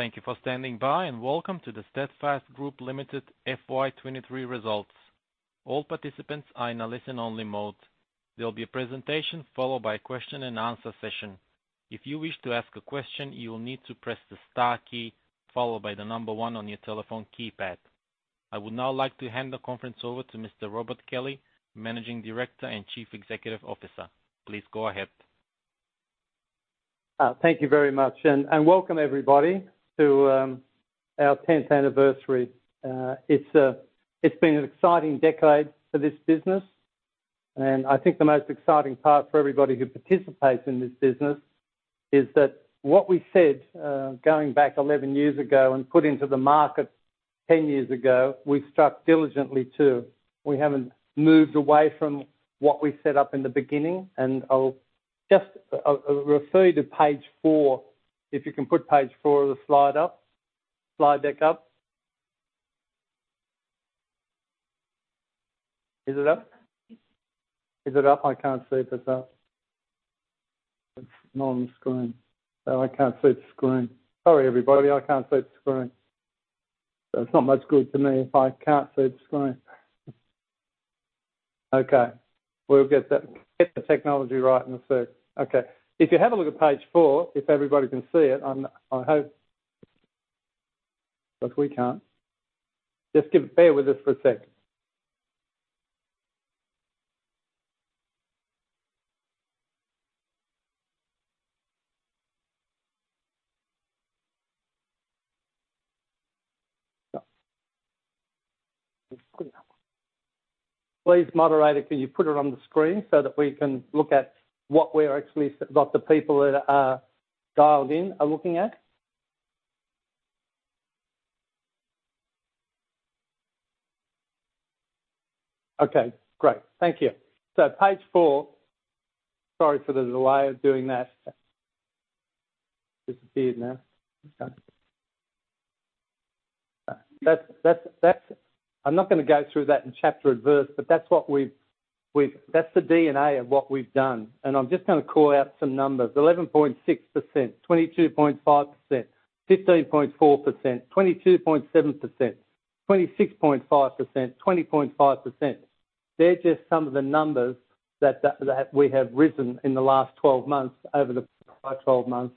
Thank you for standing by, and welcome to the Steadfast Group Limited FY2023 results. All participants are in a listen-only mode. There will be a presentation followed by a question-and-answer session. If you wish to ask a question, you will need to press the star key, followed by the number one on your telephone keypad. I would now like to hand the conference over to Mr. Robert Kelly, Managing Director and Chief Executive Officer. Please go ahead. Thank you very much, and welcome everybody to our tenth anniversary. It's been an exciting decade for this business, and I think the most exciting part for everybody who participates in this business is that what we said, going back 11 years ago and put into the market 10 years ago, we've stuck diligently to. We haven't moved away from what we set up in the beginning, I'll just, I'll refer you to page four, if you can put page four of the slide up. slide back up. Is it up? Is it up? I can't see if it's up. It's not on the screen. I can't see the screen. Sorry, everybody, I can't see the screen. It's not much good to me if I can't see the screen. Okay, we'll get the technology right in a sec. Okay. If you have a look at page four, if everybody can see it, I hope. We can't. Just bear with us for a sec. Please, moderator, can you put it on the screen so that we can look at what we're actually. What the people that are dialed in are looking at? Okay, great. Thank you. Page four. Sorry for the delay of doing that. Disappeared now. That's. I'm not going to go through that in chapter and verse, but that's what we've that's the Steadfast DNA of what we've done. I'm just going to call out some numbers. 11.6%, 22.5%, 15.4%, 22.7%, 26.5%, 20.5%. They're just some of the numbers that we have written in the last 12 months over the last 12 months.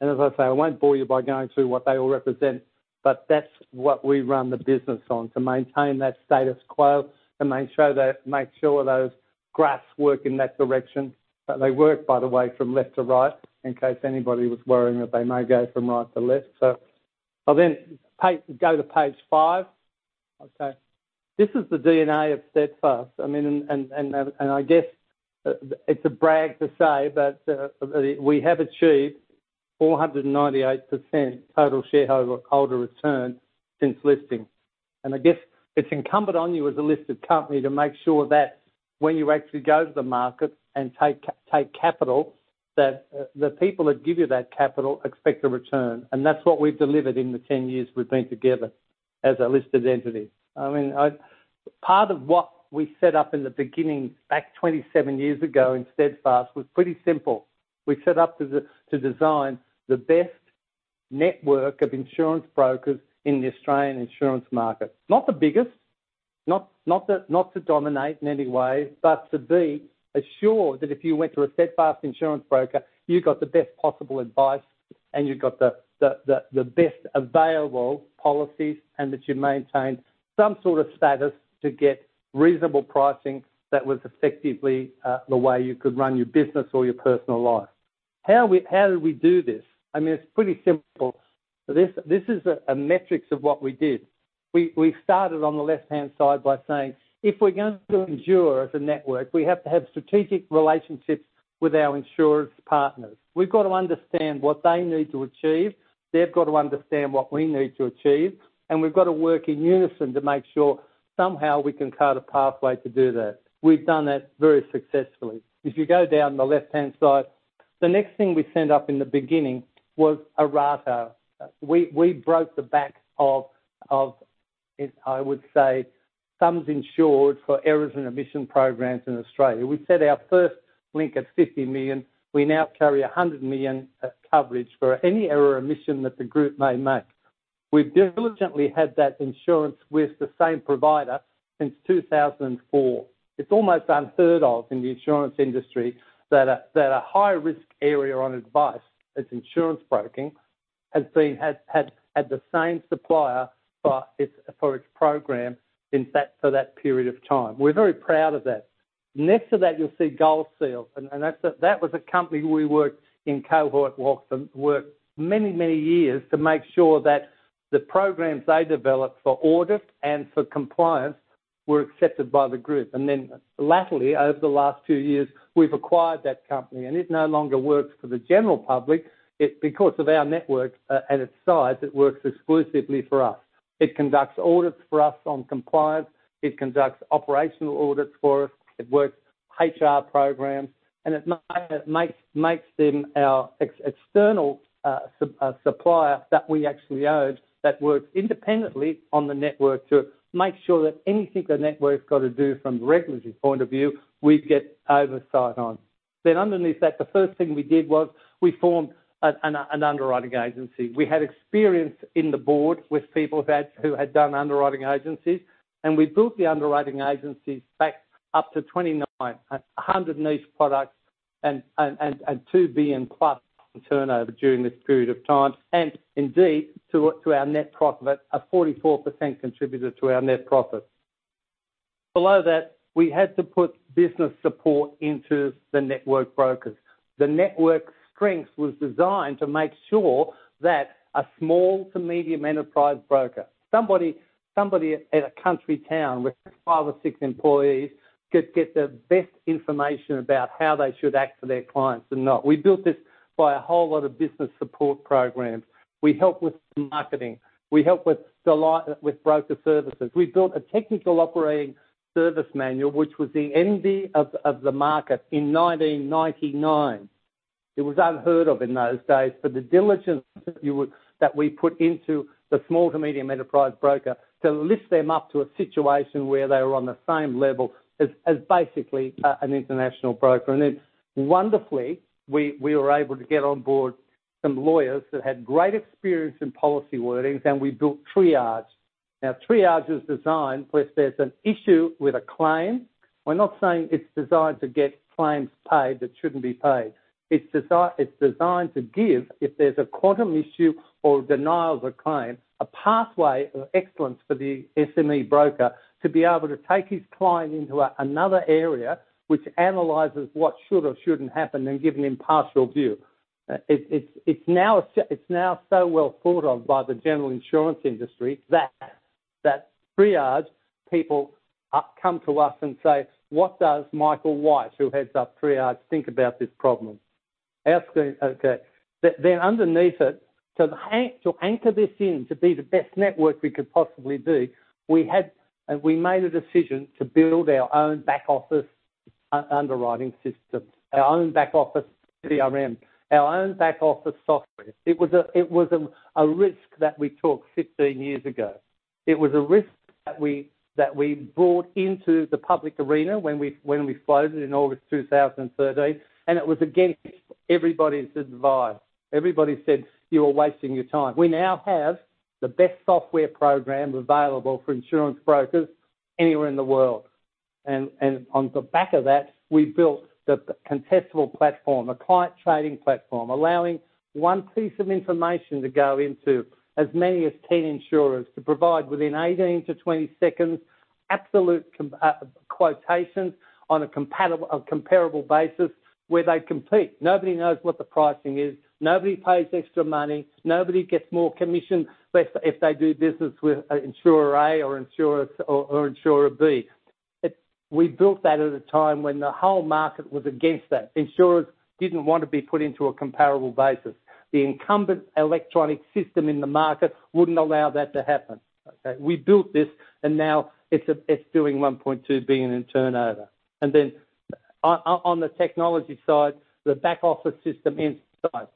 As I say, I won't bore you by going through what they all represent, but that's what we run the business on: to maintain that status quo and make sure that, make sure those graphs work in that direction. That they work, by the way, from left to right, in case anybody was worrying that they may go from right to left. I'll then go to page five. Okay. This is the DNA of Steadfast. I mean, and I guess it's a brag to say, but we have achieved 498% total shareholder return since listing. I guess it's incumbent on you as a listed company to make sure that when you actually go to the market and take capital, that the people that give you that capital expect a return. That's what we've delivered in the 10 years we've been together as a listed entity. I mean, I. Part of what we set up in the beginning, back 27 years ago in Steadfast, was pretty simple. We set up to design the best network of insurance brokers in the Australian insurance market. Not the biggest, not, not to, not to dominate in any way, but to be assured that if you went to a Steadfast insurance broker, you got the best possible advice, and you got the, the, the, the best available policies, and that you maintained some sort of status to get reasonable pricing that was effectively, the way you could run your business or your personal life. How we, how did we do this? I mean, it's pretty simple. This, this is a, a metrics of what we did. We, we started on the left-hand side by saying, if we're going to endure as a network, we have to have strategic relationships with our insurance partners. We've got to understand what they need to achieve. They've got to understand what we need to achieve, and we've got to work in unison to make sure somehow we can carve a pathway to do that. We've done that very successfully. If you go down the left-hand side, the next thing we set up in the beginning was errata. We, we broke the back of, of, I would say, sums insured for errors and omissions programs in Australia. We set our first link at 50 million. We now carry 100 million coverage for any error or omission that the group may make. We've diligently had that insurance with the same provider since 2004. It's almost unheard of in the insurance industry that a, that a high-risk area on advice, as insurance broking, has been, has, has had the same supplier for its, for its program since that period of time. We're very proud of that. Next to that, you'll see Gold Seal, and that's a company we worked in cohort with and worked many, many years to make sure that the programs they developed for audit and for compliance were accepted by the group. Then latterly, over the last two years, we've acquired that company, and it no longer works for the general public. It, because of our network, and its size, it works exclusively for us. It conducts audits for us on compliance, it conducts operational audits for us, it works HR programs, it makes them our external supplier, that we actually own, that works independently on the network to make sure that anything the network's got to do from a regulatory point of view, we get oversight on. Underneath that, the first thing we did was we formed an underwriting agency. We had experience in the board with people that, who had done underwriting agencies, and we built the underwriting agencies back up to 29, 100 niche products and 2 billion+ in turnover during this period of time, and indeed, to our net profit, a 44% contributor to our net profit. Below that, we had to put business support into the network brokers. The network strength was designed to make sure that a small to medium enterprise broker, somebody at a country town with five or six employees, could get the best information about how they should act for their clients and not. We built this by a whole lot of business support programs. We helped with marketing, we helped with the broker services. We built a technical operating service manual, which was the envy of, of the market in 1999. It was unheard of in those days, the diligence that we put into the small to medium enterprise broker, to lift them up to a situation where they were on the same level as, as basically, an international broker. Then wonderfully, we, we were able to get on board some lawyers that had great experience in policy wordings, and we built Triage. Now, Triage is designed where if there's an issue with a claim, we're not saying it's designed to get claims paid that shouldn't be paid. It's designed to give, if there's a quantum issue or denial of a claim, a pathway of excellence for the SME broker to be able to take his client into another area, which analyzes what should or shouldn't happen and give him impartial view. It's now so well thought of by the general insurance industry, that Triage people come to us and say: What does Michael White, who heads up Triage, think about this problem? Ask them, okay. Underneath it, to anchor this in, to be the best network we could possibly be, we made a decision to build our own back-office underwriting system, our own back-office CRM, our own back-office software. It was a risk that we took 15 years ago. It was a risk that we brought into the public arena when we floated in August 2013. It was against everybody's advice. Everybody said, "You are wasting your time." We now have the best software program available for insurance brokers anywhere in the world. On the back of that, we built the contestable platform, a client trading platform, allowing one piece of information to go into as many as 10 insurers to provide within 18 to 20 seconds, absolute quotations on a comparable basis where they compete. Nobody knows what the pricing is, nobody pays extra money, nobody gets more commission if they do business with insurer A or insurer B. We built that at a time when the whole market was against that. Insurers didn't want to be put into a comparable basis. The incumbent electronic system in the market wouldn't allow that to happen, okay? We built this, now it's doing 1.2 billion in turnover. Then on the technology side, the back office system inside,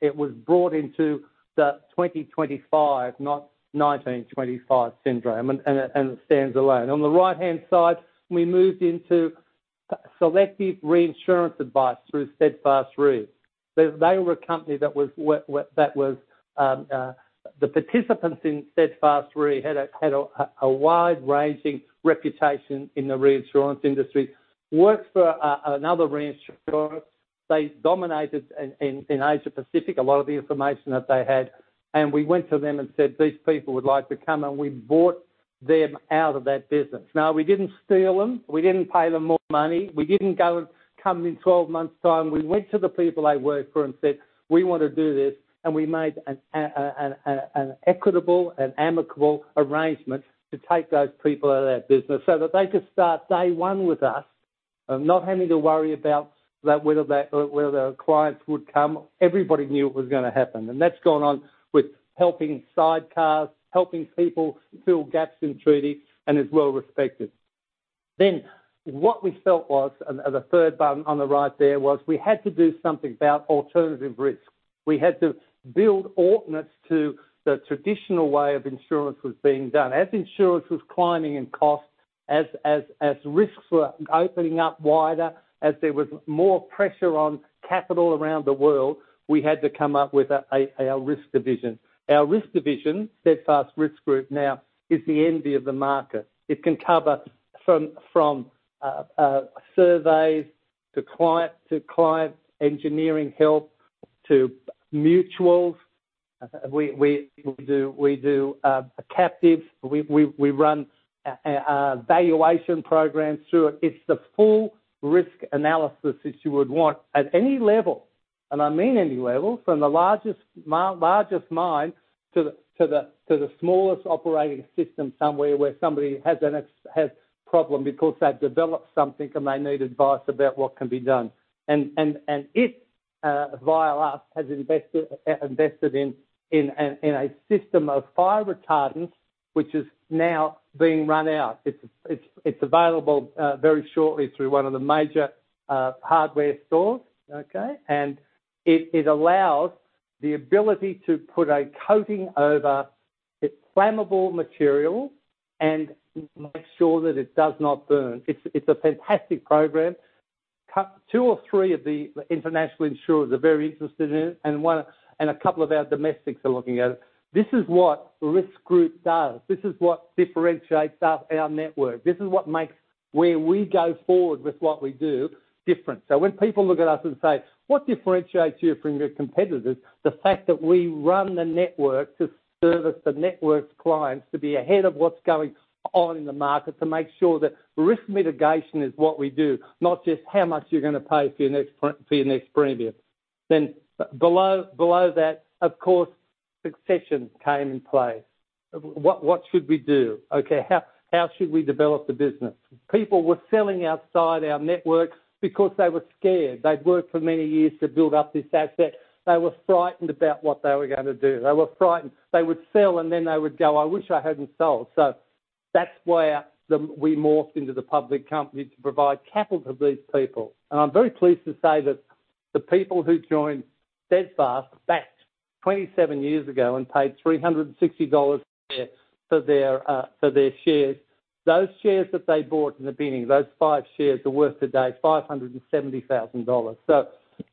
it was brought into the 2025, not 1925 syndrome, and it, and it stands alone. On the right-hand side, we moved into selective reinsurance advice through Steadfast Re. They, they were a company that was that was. The participants in Steadfast Re had a, had a, a wide-ranging reputation in the reinsurance industry, worked for a, another reinsurer. They dominated in Asia Pacific, a lot of the information that they had, and we went to them and said, 'These people would like to come,' and we bought them out of that business. Now, we didn't steal them. We didn't pay them more money. We didn't go and come in 12 months time. We went to the people they worked for and said, 'We want to do this,' and we made an equitable and amicable arrangement to take those people out of that business so that they could start day one with us, and not having to worry about whether the clients would come. Everybody knew it was going to happen, and that's gone on with helping sidecars, helping people fill gaps in treaty, and is well respected. What we felt was, and the third button on the right there was, we had to do something about alternative risk. We had to build alternates to the traditional way of insurance was being done. As insurance was climbing in cost, as, as, as risks were opening up wider, as there was more pressure on capital around the world, we had to come up with our risk division. Our risk division, Steadfast Risk Group, now is the envy of the market. It can cover from, from, surveys to client, to client engineering help, to mutuals. We, we, we do, we do, a captive, we, we, we run, valuation programs through it. It's the full risk analysis that you would want at any level, and I mean any level, from the largest mine to the, to the, to the smallest operating system, somewhere where somebody has problem because they've developed something, and they need advice about what can be done. It, via us, has invested in an in a system of fire retardant, which is now being run out. It's, it's, it's available very shortly through one of the major hardware stores, okay? It, it allows the ability to put a coating over-. It's flammable material, and make sure that it does not burn. It's, it's a fantastic program. two or three of the international insurers are very interested in it, and one and a couple of our domestics are looking at it. This is what Risk Group does. This is what differentiates us, our network. This is what makes where we go forward with what we do, different. When people look at us and say, "What differentiates you from your competitors?" The fact that we run the network to service the network's clients, to be ahead of what's going on in the market, to make sure that risk mitigation is what we do, not just how much you're gonna pay for your next premium. Below, below that, of course, succession came in play. What should we do? Okay, how should we develop the business? People were selling outside our network because they were scared. They'd worked for many years to build up this asset. They were frightened about what they were gonna do. They were frightened. They would sell, then they would go: I wish I hadn't sold. That's where we morphed into the public company to provide capital to these people. I'm very pleased to say that the people who joined Steadfast back 27 years ago and paid 360 dollars a share for their shares, those shares that they bought in the beginning, those five shares, are worth today 570,000 dollars.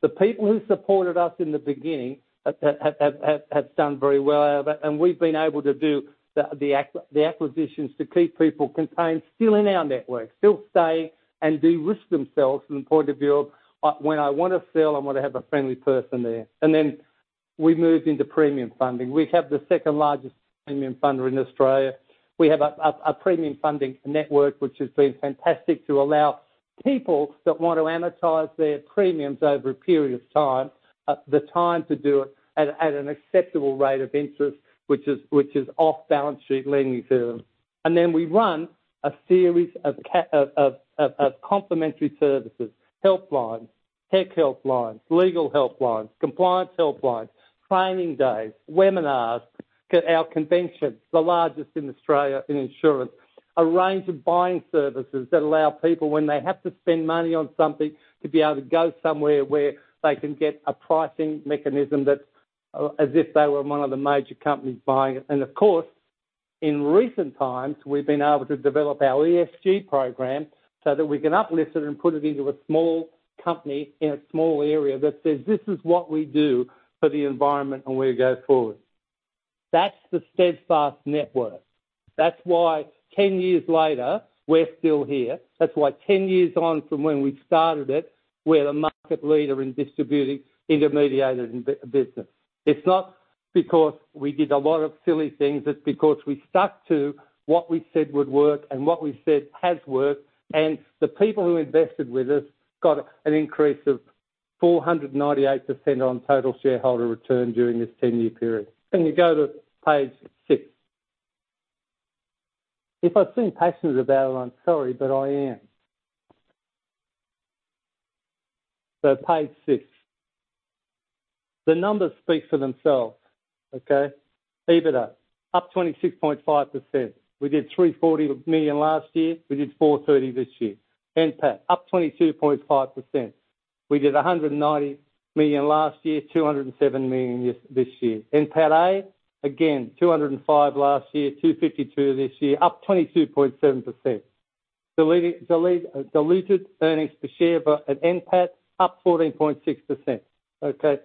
The people who supported us in the beginning have done very well out of it. We've been able to do the acquisitions to keep people contained, still in our network, still stay and de-risk themselves from the point of view of when I wanna sell, I wanna have a friendly person there. Then we moved into premium funding. We have the second-largest premium funder in Australia. We have a premium funding network, which has been fantastic to allow people that want to amortize their premiums over a period of time, the time to do it at, at an acceptable rate of interest, which is, which is off balance sheet lending to them. Then we run a series of complementary services, helplines, tech helplines, legal helplines, compliance helplines, training days, webinars, our convention, the largest in Australia in insurance. A range of buying services that allow people, when they have to spend money on something, to be able to go somewhere where they can get a pricing mechanism that's as if they were one of the major companies buying it. Of course, in recent times, we've been able to develop our ESG program so that we can uplift it and put it into a small company in a small area that says, "This is what we do for the environment and where to go forward." That's the Steadfast Network. That's why 10 years later, we're still here. That's why 10 years on from when we started it, we're the market leader in distributing intermediated in business. It's not because we did a lot of silly things, it's because we stuck to what we said would work and what we said has worked, and the people who invested with us got an increase of 498% on total shareholder return during this 10-year period. Can you go to page six? If I seem passionate about it, I'm sorry, but I am. Page six. The numbers speak for themselves, okay? EBITDA, up 26.5%. We did 340 million last year, we did 430 million this year. NPAT, up 22.5%. We did 190 million last year, 207 million this year. NPATA, again, 205 million last year, 252 million this year, up 22.7%. Diluted earnings per share for an NPAT, up 14.6%, okay?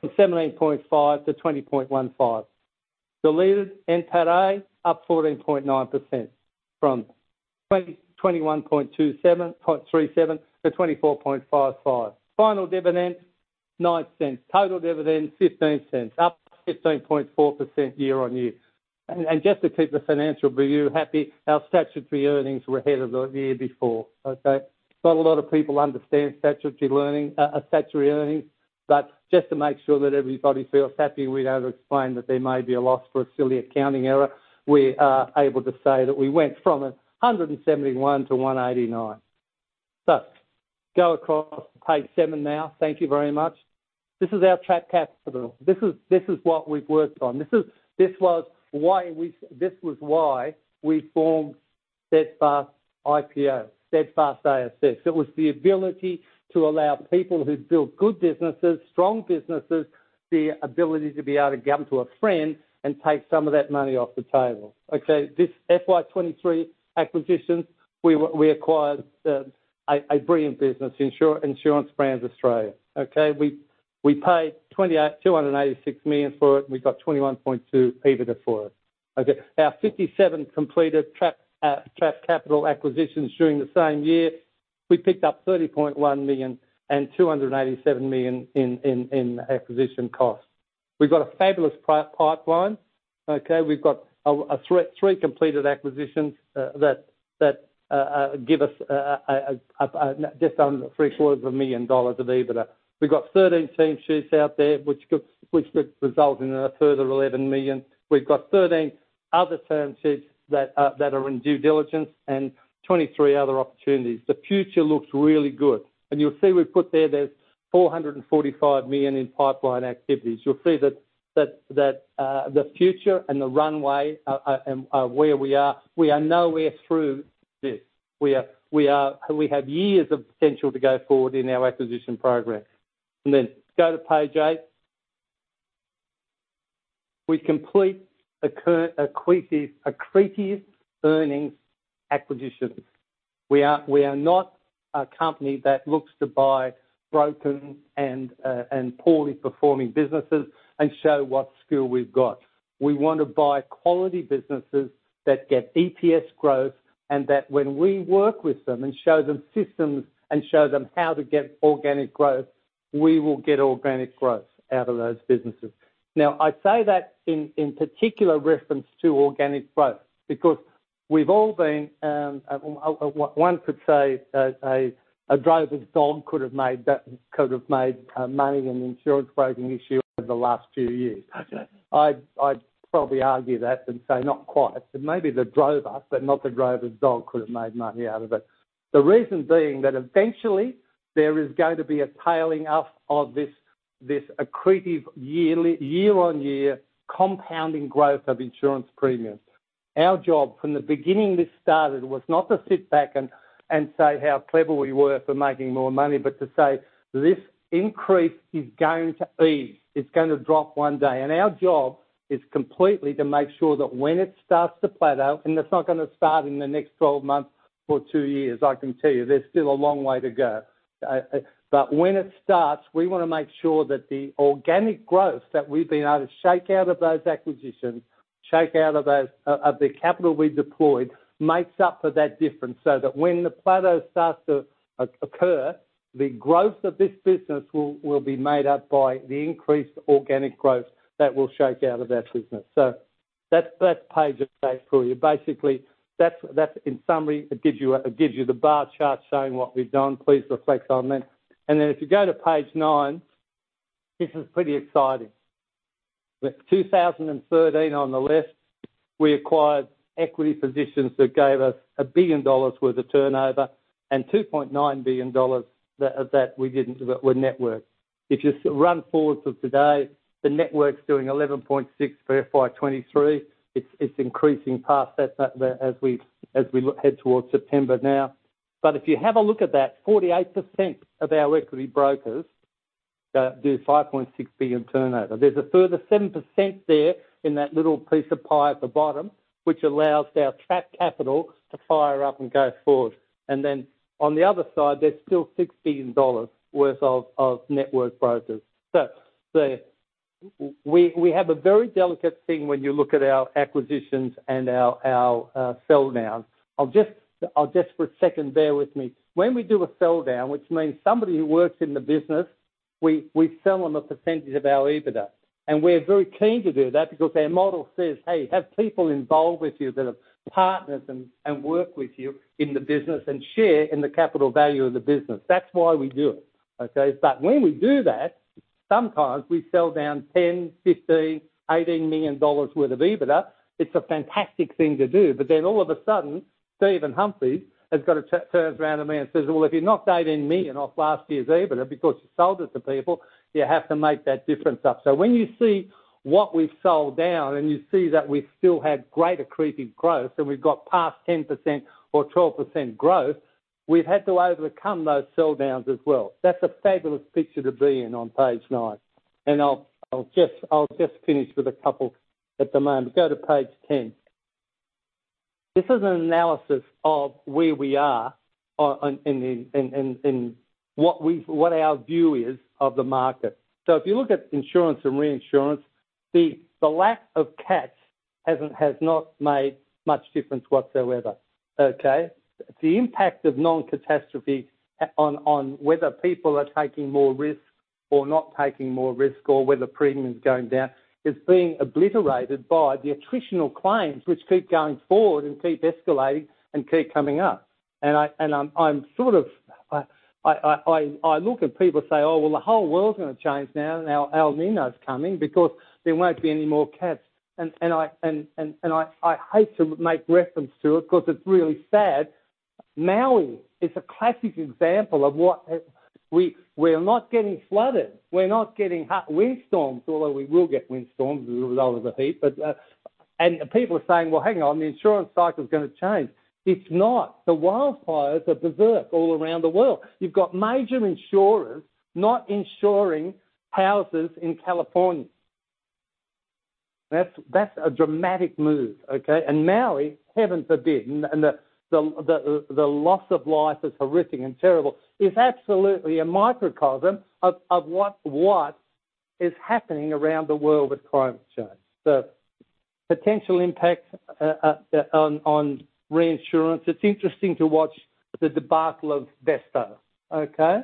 From AUD 0.175- AUD 0.2015. Diluted NPATA, up 14.9%, from 0.2137-0.2455. Final dividend, 0.09. Total dividend, 0.15, up 15.4% year-on-year. Just to keep the financial review happy, our statutory earnings were ahead of the year before, okay? Not a lot of people understand statutory learning, a statutory earnings, just to make sure that everybody feels happy, we're able to explain that there may be a loss for a silly accounting error. We are able to say that we went from 171 to 189. Go across to page seven now. Thank you very much. This is our trapped capital. This is what we've worked on. This was why we formed Steadfast IPO, Steadfast ASX. It was the ability to allow people who built good businesses, strong businesses, the ability to be able to come to a friend and take some of that money off the table. Okay, this FY2023 acquisition, we, we acquired a brilliant business, Insurance Brands Australia, okay? We paid 286 million for it, and we got 21.2 EBITDA for it. Our 57 completed trapped capital acquisitions during the same year, we picked up 30.1 million and 287 million in acquisition costs. We've got a fabulous pipeline. We've got three completed acquisitions that give us just under 750,000 dollars of EBITDA. We've got 13 term sheets out there, which could, which could result in a further 11 million. We've got 13 other term sheets that are, that are in due diligence and 23 other opportunities. The future looks really good. You'll see we've put there, there's 445 million in pipeline activities. You'll see that, that, that, the future and the runway are, are, are where we are. We are nowhere through this. We are, we are. We have years of potential to go forward in our acquisition program. Go to page eight. We complete accretive, accretive earnings acquisition. We are, we are not a company that looks to buy broken and, and poorly performing businesses and show what skill we've got. We want to buy quality businesses that get EPS growth, and that when we work with them and show them systems, and show them how to get organic growth, we will get organic growth out of those businesses. I say that in particular reference to organic growth, because we've all been one could say that a drover's dog could have made that could have made money in the insurance broking issue over the last few years. I'd probably argue that and say, "Not quite." Maybe the drover, but not the drover's dog, could have made money out of it. The reason being that eventually there is going to be a tailing off of this, this accretive yearly, year-on-year compounding growth of insurance premiums. Our job, from the beginning this started, was not to sit back and say how clever we were for making more money, but to say, "This increase is going to ease. It's going to drop one day. Our job is completely to make sure that when it starts to plateau, and it's not gonna start in the next 12 months or two years, I can tell you, there's still a long way to go. When it starts, we wanna make sure that the organic growth that we've been able to shake out of those acquisitions, shake out of those, of the capital we deployed, makes up for that difference, so that when the plateau starts to occur, the growth of this business will, will be made up by the increased organic growth that will shake out of that business. That's, that's page eight for you. Basically, that's, that's in summary, it gives you a, it gives you the bar chart showing what we've done. Please reflect on that. If you go to page nine, this is pretty exciting. With 2013 on the left, we acquired equity positions that gave us 1 billion dollars worth of turnover, and 2.9 billion dollars that, of that, we didn't. Were networked. If you run forward to today, the network's doing 11.6 for FY23. It's increasing past that as we head towards September now. If you have a look at that, 48% of our equity brokers do 5.6 billion turnover. There's a further 7% there in that little piece of pie at the bottom, which allows our trapped capital to fire up and go forward. Then on the other side, there's still 16 dollars worth of network brokers. We, we have a very delicate thing when you look at our acquisitions and our, our sell downs. I'll just, I'll just for a second, bear with me. When we do a sell down, which means somebody who works in the business, we, we sell them a percentage of our EBITDA. We're very keen to do that because our model says: "Hey, have people involved with you that are partners and, and work with you in the business, and share in the capital value of the business." That's why we do it, okay? When we do that, sometimes we sell down 10 million dollars, 15 million, AUD 18 million worth of EBITDA. It's a fantastic thing to do. All of a sudden, Stephen Humphrys has got to turns around to me and says, "Well, if you're not 18 million off last year's EBITDA because you sold it to people, you have to make that difference up." When you see what we've sold down, and you see that we've still had great accretive growth, and we've got past 10% or 12% growth, we've had to overcome those sell downs as well. That's a fabulous picture to be in on page nine. I'll, I'll just, I'll just finish with a couple at the moment. Go to page 10. This is an analysis of where we are on, what our view is of the market. If you look at insurance and reinsurance, the, the lack of cats hasn't, has not made much difference whatsoever, okay? The impact of non-catastrophe on, on whether people are taking more risk or not taking more risk, or whether premium is going down, is being obliterated by the attritional claims, which keep going forward and keep escalating and keep coming up. I'm sort of... I look and people say, "Oh, well, the whole world's gonna change now, and now El Niño is coming because there won't be any more cats." I hate to make reference to it, 'cause it's really sad. Maui is a classic example of what-- we, we're not getting flooded, we're not getting hot windstorms, although we will get windstorms as a result of the heat. People are saying: "Well, hang on, the insurance cycle is gonna change." It's not. The wildfires are berserk all around the world. You've got major insurers not insuring houses in California. That's, that's a dramatic move, okay? Maui, heaven forbid, and the, the, the, the loss of life is horrific and terrible, is absolutely a microcosm of, of what, what is happening around the world with climate change. The potential impact on reinsurance, it's interesting to watch the debacle of Vesttoo, okay?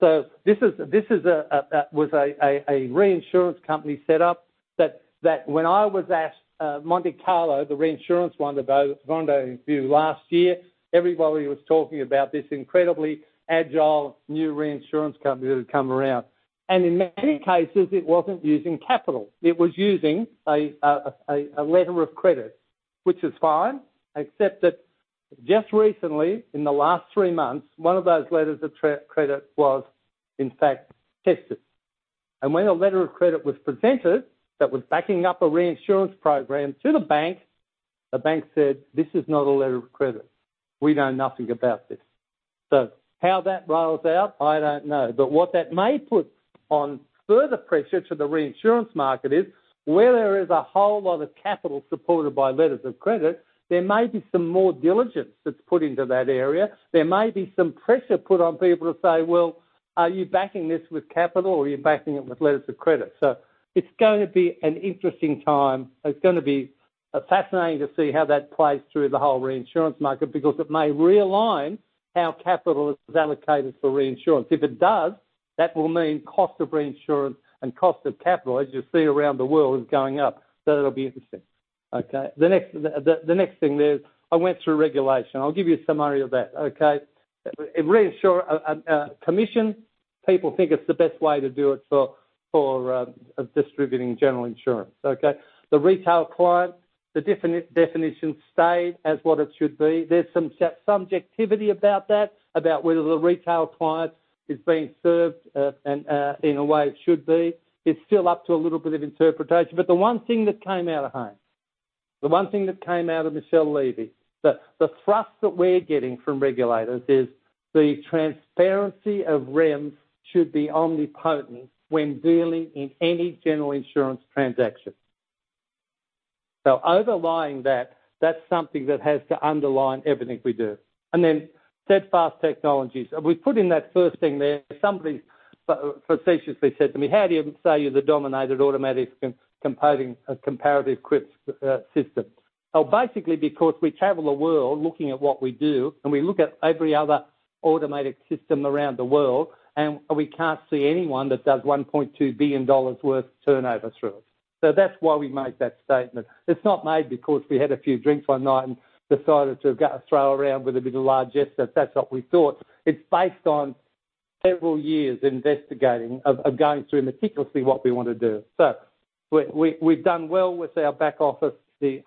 This is, this is a, a, was a, a, a reinsurance company set up that, that when I was at Monte Carlo, the reinsurance wonder Rendez-Vous last year, everybody was talking about this incredibly agile new reinsurance company that had come around. In many cases, it wasn't using capital. It was using a letter of credit, which is fine, except that just recently, in the last three months, one of those letters of credit was, in fact, tested. When a letter of credit was presented, that was backing up a reinsurance program to the bank, the bank said, "This is not a letter of credit. We know nothing about this." How that rolls out, I don't know. What that may put on further pressure to the reinsurance market is, where there is a whole lot of capital supported by letters of credit, there may be some more diligence that's put into that area. There may be some pressure put on people to say, "Well, are you backing this with capital, or are you backing it with letters of credit?" It's going to be an interesting time. It's gonna be fascinating to see how that plays through the whole reinsurance market, because it may realign how capital is allocated for reinsurance. If it does, that will mean cost of reinsurance and cost of capital, as you see around the world, is going up. It'll be interesting. Okay, the next, the next thing is, I went through regulation. I'll give you a summary of that, okay? In reinsurance commission, people think it's the best way to do it for distributing general insurance, okay? The retail client, the definition stayed as what it should be. There's some subjectivity about that, about whether the retail client is being served, and in a way it should be. It's still up to a little bit of interpretation, but the one thing that came out of home, the one thing that came out of Michelle Levy, the, the thrust that we're getting from regulators is the transparency of REM should be omnipotent when dealing in any general insurance transaction. Overlying that, that's something that has to underline everything we do. Steadfast Technologies. We put in that first thing there, somebody facetiously said to me, "How do you say you're the dominated automatic composing, comparative quips, system?" Basically, because we travel the world looking at what we do, and we look at every other automated system around the world, and we can't see anyone that does $1.2 billion worth of turnover through it. That's why we made that statement. It's not made because we had a few drinks one night and decided to throw around with a bit of largesse, that's what we thought. It's based on several years investigating, of going through meticulously what we want to do. We, we, we've done well with our back office, the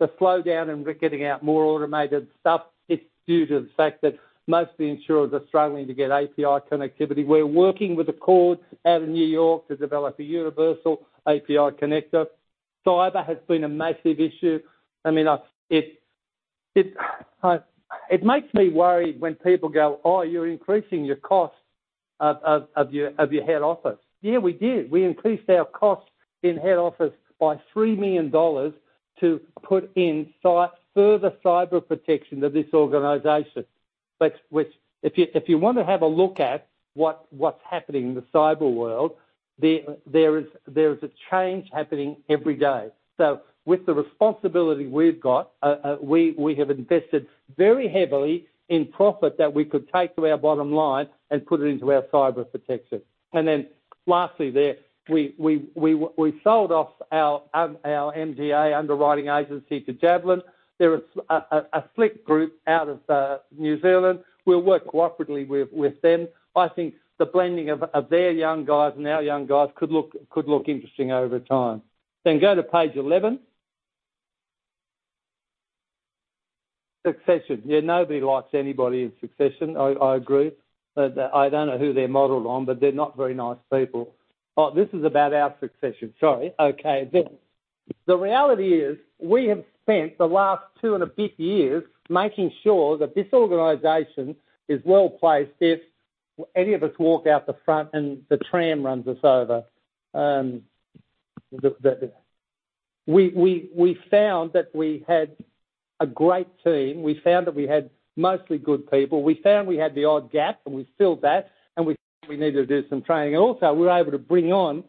slowdown, and we're getting out more automated stuff. It's due to the fact that most of the insurers are struggling to get API connectivity. We're working with ACORD out of New York to develop a universal API connector. Cyber has been a massive issue. I mean, it makes me worried when people go, "Oh, you're increasing your costs of your head office." Yeah, we did. We increased our costs in head office by 3 million dollars to put in further Cyber protection of this organization. Which if you want to have a look at what, what's happening in the cyber world, there, there is, there is a change happening every day. With the responsibility we've got, we, we have invested very heavily in profit that we could take to our bottom line and put it into our cyber protection. Lastly, there, we, we, we, we sold off our MGA underwriting agency to JAVLN. They're a slick group out of New Zealand. We'll work cooperatively with, with them. I think the blending of, of their young guys and our young guys could look, could look interesting over time. Go to page 11. Succession. Yeah, nobody likes anybody in succession, I, I agree. I don't know who they're modeled on, but they're not very nice people. This is about our succession. Sorry. Okay. The reality is, we have spent the last two and a half years making sure that this organization is well-placed if any of us walk out the front and the tram runs us over. We found that we had a great team. We found that we had mostly good people. We found we had the odd gap, and we filled that, and we needed to do some training. Also, we were able to bring on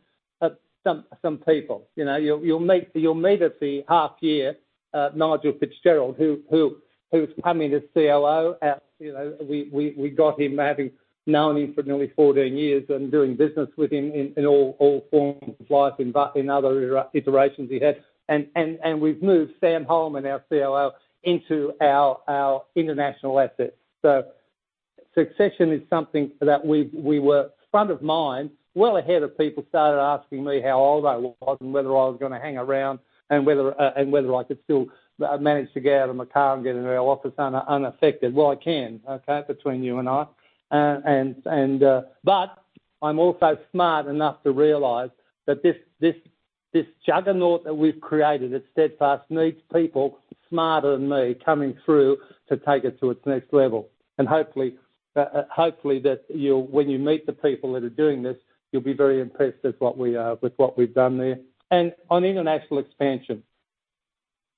some people. You know, you'll meet at the half year, Nigel Fitzgerald, who's coming to COO. You know, we got him, having known him for nearly 14 years and doing business with him in all forms of life, in but, in other iterations he had. We've moved Samantha Hollman, our COO, into our international assets. Succession is something that we, we were front of mind, well ahead of people started asking me how old I was, and whether I was gonna hang around, and whether I could still manage to get out of my car and get into our office unaffected. Well, I can, okay. Between you and I. I'm also smart enough to realize that this, this, this juggernaut that we've created at Steadfast, needs people smarter than me coming through to take it to its next level. Hopefully, hopefully, that you'll when you meet the people that are doing this, you'll be very impressed with what we've done there. On international expansion,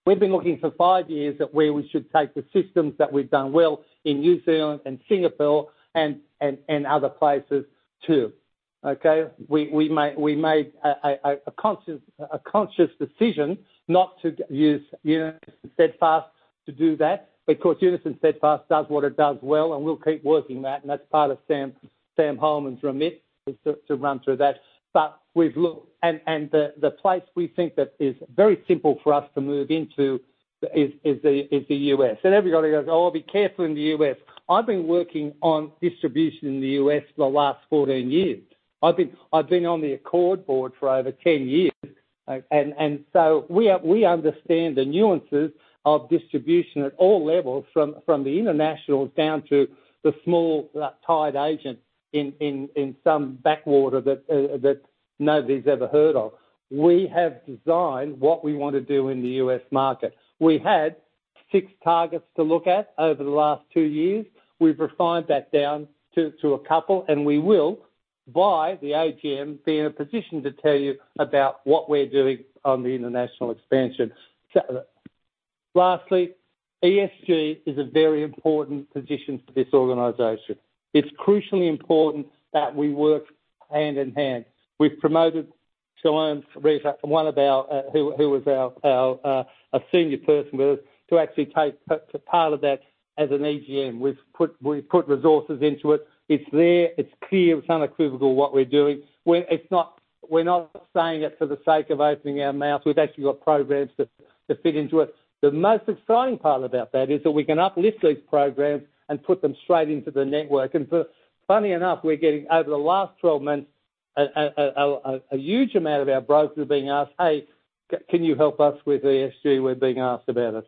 we've been looking for five years at where we should take the systems that we've done well in New Zealand and Singapore and, and, and other places, too, okay? We, we made, we made a, a, a conscious, a conscious decision not to use Unison Steadfast to do that, because Unison Steadfast does what it does well, and we'll keep working that, and that's part of Sam, Samantha Hollman's remit, is to, to run through that. We've looked. The place we think that is very simple for us to move into is the U.S. Everybody goes, "Oh, be careful in the U.S." I've been working on distribution in the U.S for the last 14 years. I've been, I've been on the ACORD board for over 10 years. So we understand the nuances of distribution at all levels, from, from the internationals down to the small, tide agent in, in, in some backwater that nobody's ever heard of. We have designed what we want to do in the U.S market. We had six targets to look at over the last two years. We've refined that down to, to a couple, and we will, by the AGM, be in a position to tell you about what we're doing on the international expansion. Lastly, ESG is a very important position for this organization. It's crucially important that we work hand in hand. We've promoted Joanne Rees, one of our who, who was our, our, a senior person with us, to actually take part of that as an AGM. We've put, we've put resources into it. It's there, it's clear, it's unequivocal what we're doing. We're not saying it for the sake of opening our mouth. We've actually got programs to, to fit into it. The most exciting part about that is that we can uplift these programs and put them straight into the network. funny enough, we're getting, over the last 12 months, a huge amount of our brokers are being asked: "Hey, can you help us with ESG? We're being asked about it."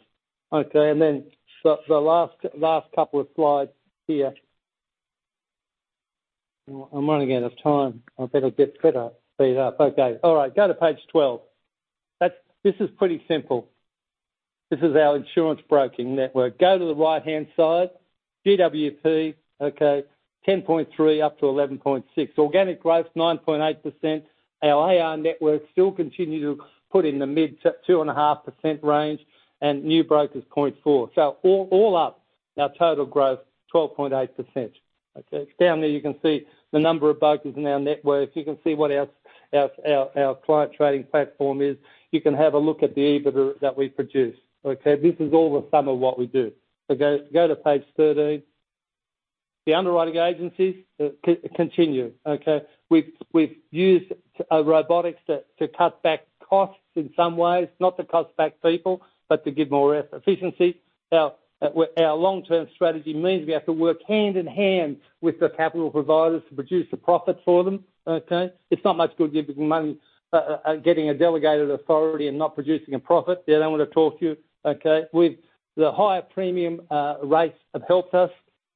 Okay, then the last couple of slides here. I'm running out of time. I better get better, speed up. Okay. All right, go to page 12. This is pretty simple. This is our insurance broking network. Go to the right-hand side. GWP, okay, 10.3 up to 11.6. Organic growth, 9.8%. Our AR network still continue to put in the mid 2.5% range. New brokers, 0.4. All up, our total growth, 12.8%. Okay? Down there, you can see the number of brokers in our network. You can see what our client trading platform is. You can have a look at the EBITDA that we produce, okay? This is all the sum of what we do. Okay, go to page 13. The underwriting agencies continue, okay? We've used robotics to cut back costs in some ways, not to cut back people, but to give more efficiency. Our long-term strategy means we have to work hand in hand with the capital providers to produce a profit for them, okay? It's not much good giving money, getting a delegated authority and not producing a profit. They don't want to talk to you, okay? With the higher premium rates have helped us.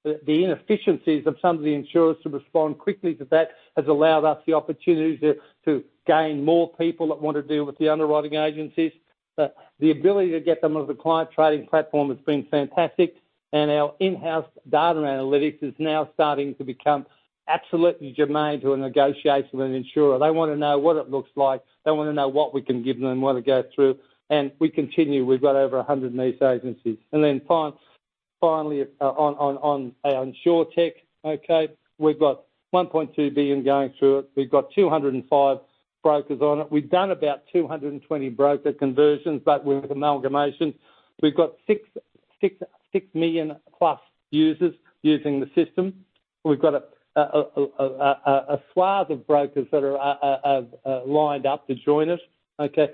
The inefficiencies of some of the insurers to respond quickly to that has allowed us the opportunity to, to gain more people that want to deal with the underwriting agencies. The ability to get them on the Client Trading Platform has been fantastic, and our in-house data analytics is now starting to become absolutely germane to a negotiation with an insurer. They want to know what it looks like. They want to know what we can give them, want to go through, and we continue. We've got over 100 of these agencies. Then finally, on our Insurtech, okay, we've got 1.2 billion going through it. We've got 205 brokers on it. We've done about 220 broker conversions, with amalgamation. We've got 6 million plus users using the system. We've got a swathe of brokers that are lined up to join us, okay?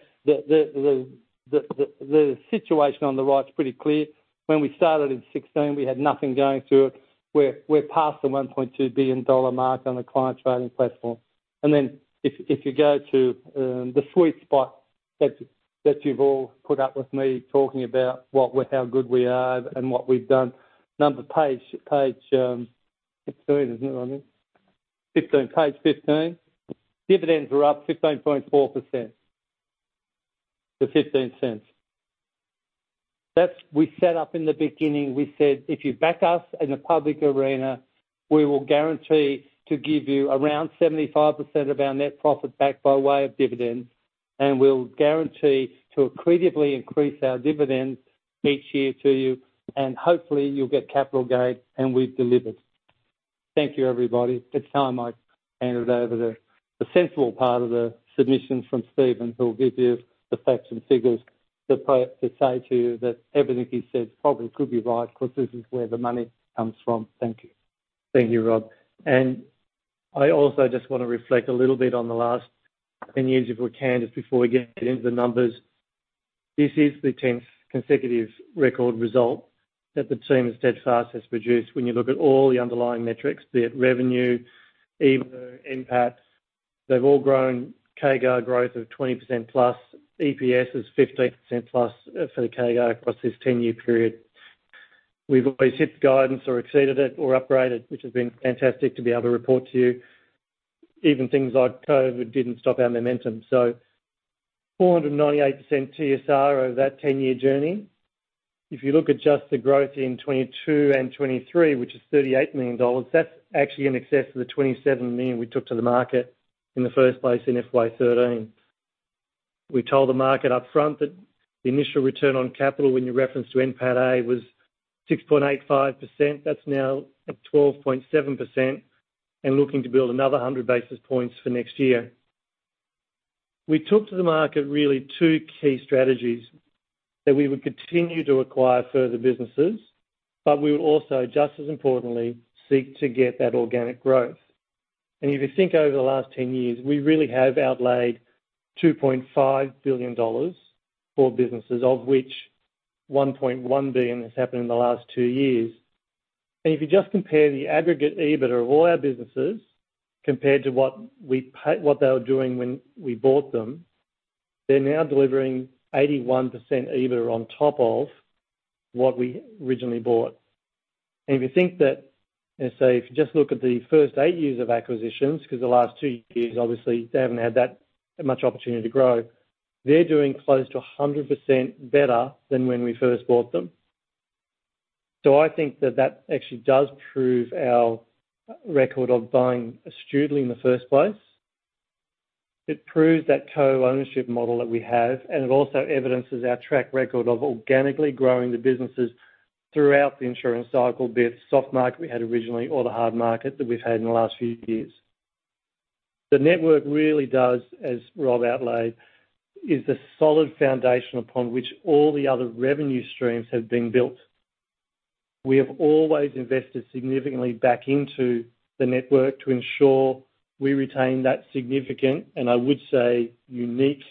The situation on the right is pretty clear. When we started in 2016, we had nothing going through it. We're past the 1.2 billion dollar mark on the Client Trading Platform. Then if you go to the sweet spot that you, that you've all put up with me talking about how good we are and what we've done. Number page 15, isn't it, I mean? 15. Page 15. Dividends are up 15.4% to AUD 0.15. That's we set up in the beginning. We said: "If you back us in the public arena, we will guarantee to give you around 75% of our net profit back by way of dividends, and we'll guarantee to accretively increase our dividends each year to you, and hopefully, you'll get capital gain," and we've delivered. Thank you, everybody. It's time I hand it over to the sensible part of the submission from Stephen, who will give you the facts and figures to say to you that everything he said probably could be right, because this is where the money comes from. Thank you. Thank you, Rob. I also just want to reflect a little bit on the last 10 years, if we can, just before we get into the numbers. This is the tenth consecutive record result that the team at Steadfast has produced. When you look at all the underlying metrics, be it revenue, EBITDA, NPAT, they've all grown CAGR growth of 20%+. EPS is 15%+, for the CAGR across this 10-year period. We've always hit the guidance or exceeded it or upgraded, which has been fantastic to be able to report to you. Even things like COVID didn't stop our momentum. 498% TSR over that 10-year journey. If you look at just the growth in 2022 and 2023, which is 38 million dollars, that's actually in excess of the 27 million we took to the market in the first place in FY13. We told the market upfront that the initial return on capital, when you referenced to NPATA, was 6.85%. That's now at 12.7% and looking to build another 100 basis points for next year. We took to the market really two key strategies, that we would continue to acquire further businesses, we would also, just as importantly, seek to get that organic growth. If you think over the last 10 years, we really have outlaid 2.5 billion dollars for businesses, of which 1.1 billion has happened in the last two years. If you just compare the aggregate EBITA of all our businesses compared to what we what they were doing when we bought them, they're now delivering 81% EBITA on top of what we originally bought. If you think that, if you just look at the first eight years of acquisitions, because the last two years, obviously, they haven't had that much opportunity to grow, they're doing close to 100% better than when we first bought them. I think that that actually does prove our record of buying astutely in the first place. It proves that co-ownership model that we have, and it also evidences our track record of organically growing the businesses throughout the insurance cycle, be it soft market we had originally or the hard market that we've had in the last few years. The network really does, as Rob outlined, is the solid foundation upon which all the other revenue streams have been built. We have always invested significantly back into the network to ensure we retain that significant, and I would say, unique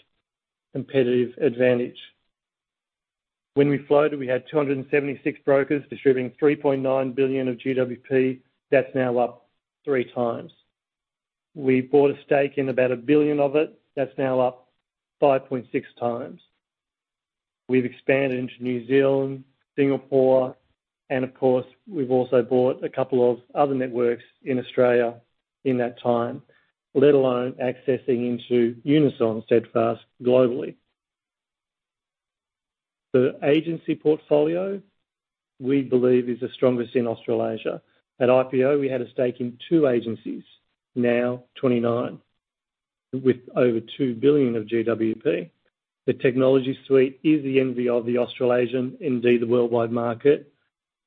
competitive advantage. When we floated, we had 276 brokers distributing 3.9 billion of GWP. That's now up three times. We bought a stake in about 1 billion of it. That's now up 5.6 times. We've expanded into New Zealand, Singapore, and of course, we've also bought a couple of other networks in Australia in that time, let alone accessing into UnisonSteadfast globally. The agency portfolio, we believe, is the strongest in Australasia. At IPO, we had a stake in two agencies, now 29, with over 2 billion of GWP. The technology suite is the envy of the Australasian, indeed, the worldwide market.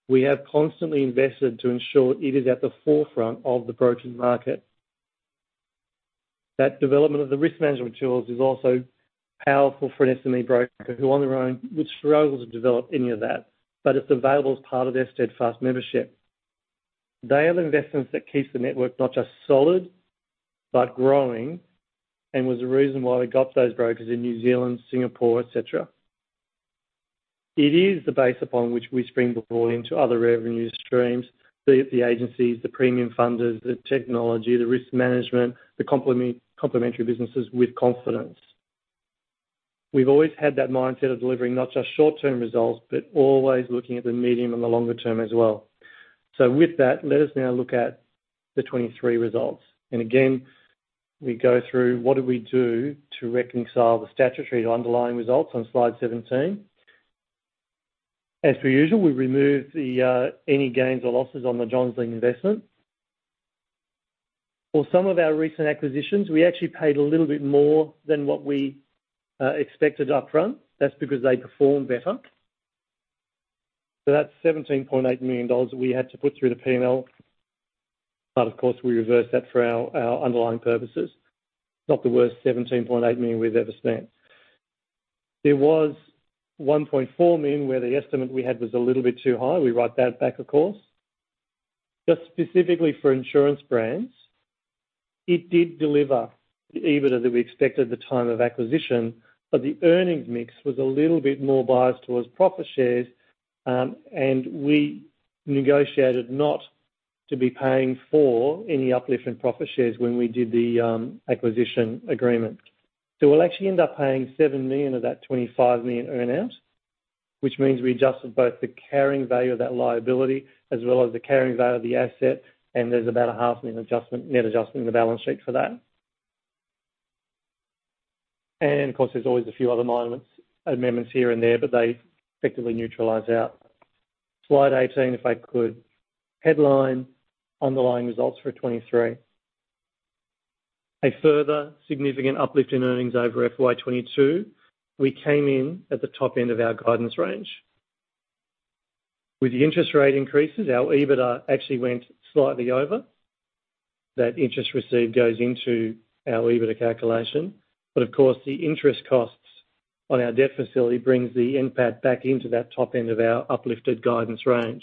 We have constantly invested to ensure it is at the forefront of the brokering market. That development of the risk management tools is also powerful for an SME broker, who on their own would struggle to develop any of that, but it's available as part of their Steadfast membership. They are the investments that keeps the network not just solid, but growing, and was the reason why we got those brokers in New Zealand, Singapore, etc. It is the base upon which we spring the volume to other revenue streams, be it the agencies, the premium funders, the technology, the risk management, the complementary businesses with confidence. We've always had that mindset of delivering not just short-term results, but always looking at the medium and the longer term as well. With that, let us now look at the 23 results. Again, we go through what do we do to reconcile the statutory underlying results on slide 17. As per usual, we remove any gains or losses on the Johns Lyng investment. For some of our recent acquisitions, we actually paid a little bit more than what we expected upfront. That's because they performed better. That's 17.8 million dollars that we had to put through the P&L, but of course, we reversed that for our underlying purposes. Not the worst 17.8 million we've ever spent. There was 1.4 million, where the estimate we had was a little bit too high. We wrote that back, of course. Just specifically for Insurance Brands, it did deliver the EBITA that we expected at the time of acquisition, the earnings mix was a little bit more biased towards profit shares, and we negotiated not to be paying for any uplift in profit shares when we did the acquisition agreement. We'll actually end up paying 7 million of that 25 million earn out, which means we adjusted both the carrying value of that liability as well as the carrying value of the asset, and there's about a AUD 500,000 adjustment, net adjustment in the balance sheet for that. Of course, there's always a few other minor amendments here and there, but they effectively neutralize out. Slide 18, if I could. Headline, underlying results for 2023. A further significant uplift in earnings over FY22. We came in at the top end of our guidance range. With the interest rate increases, our EBITA actually went slightly over. That interest received goes into our EBITA calculation. Of course, the interest costs on our debt facility brings the NPAT back into that top end of our uplifted guidance range.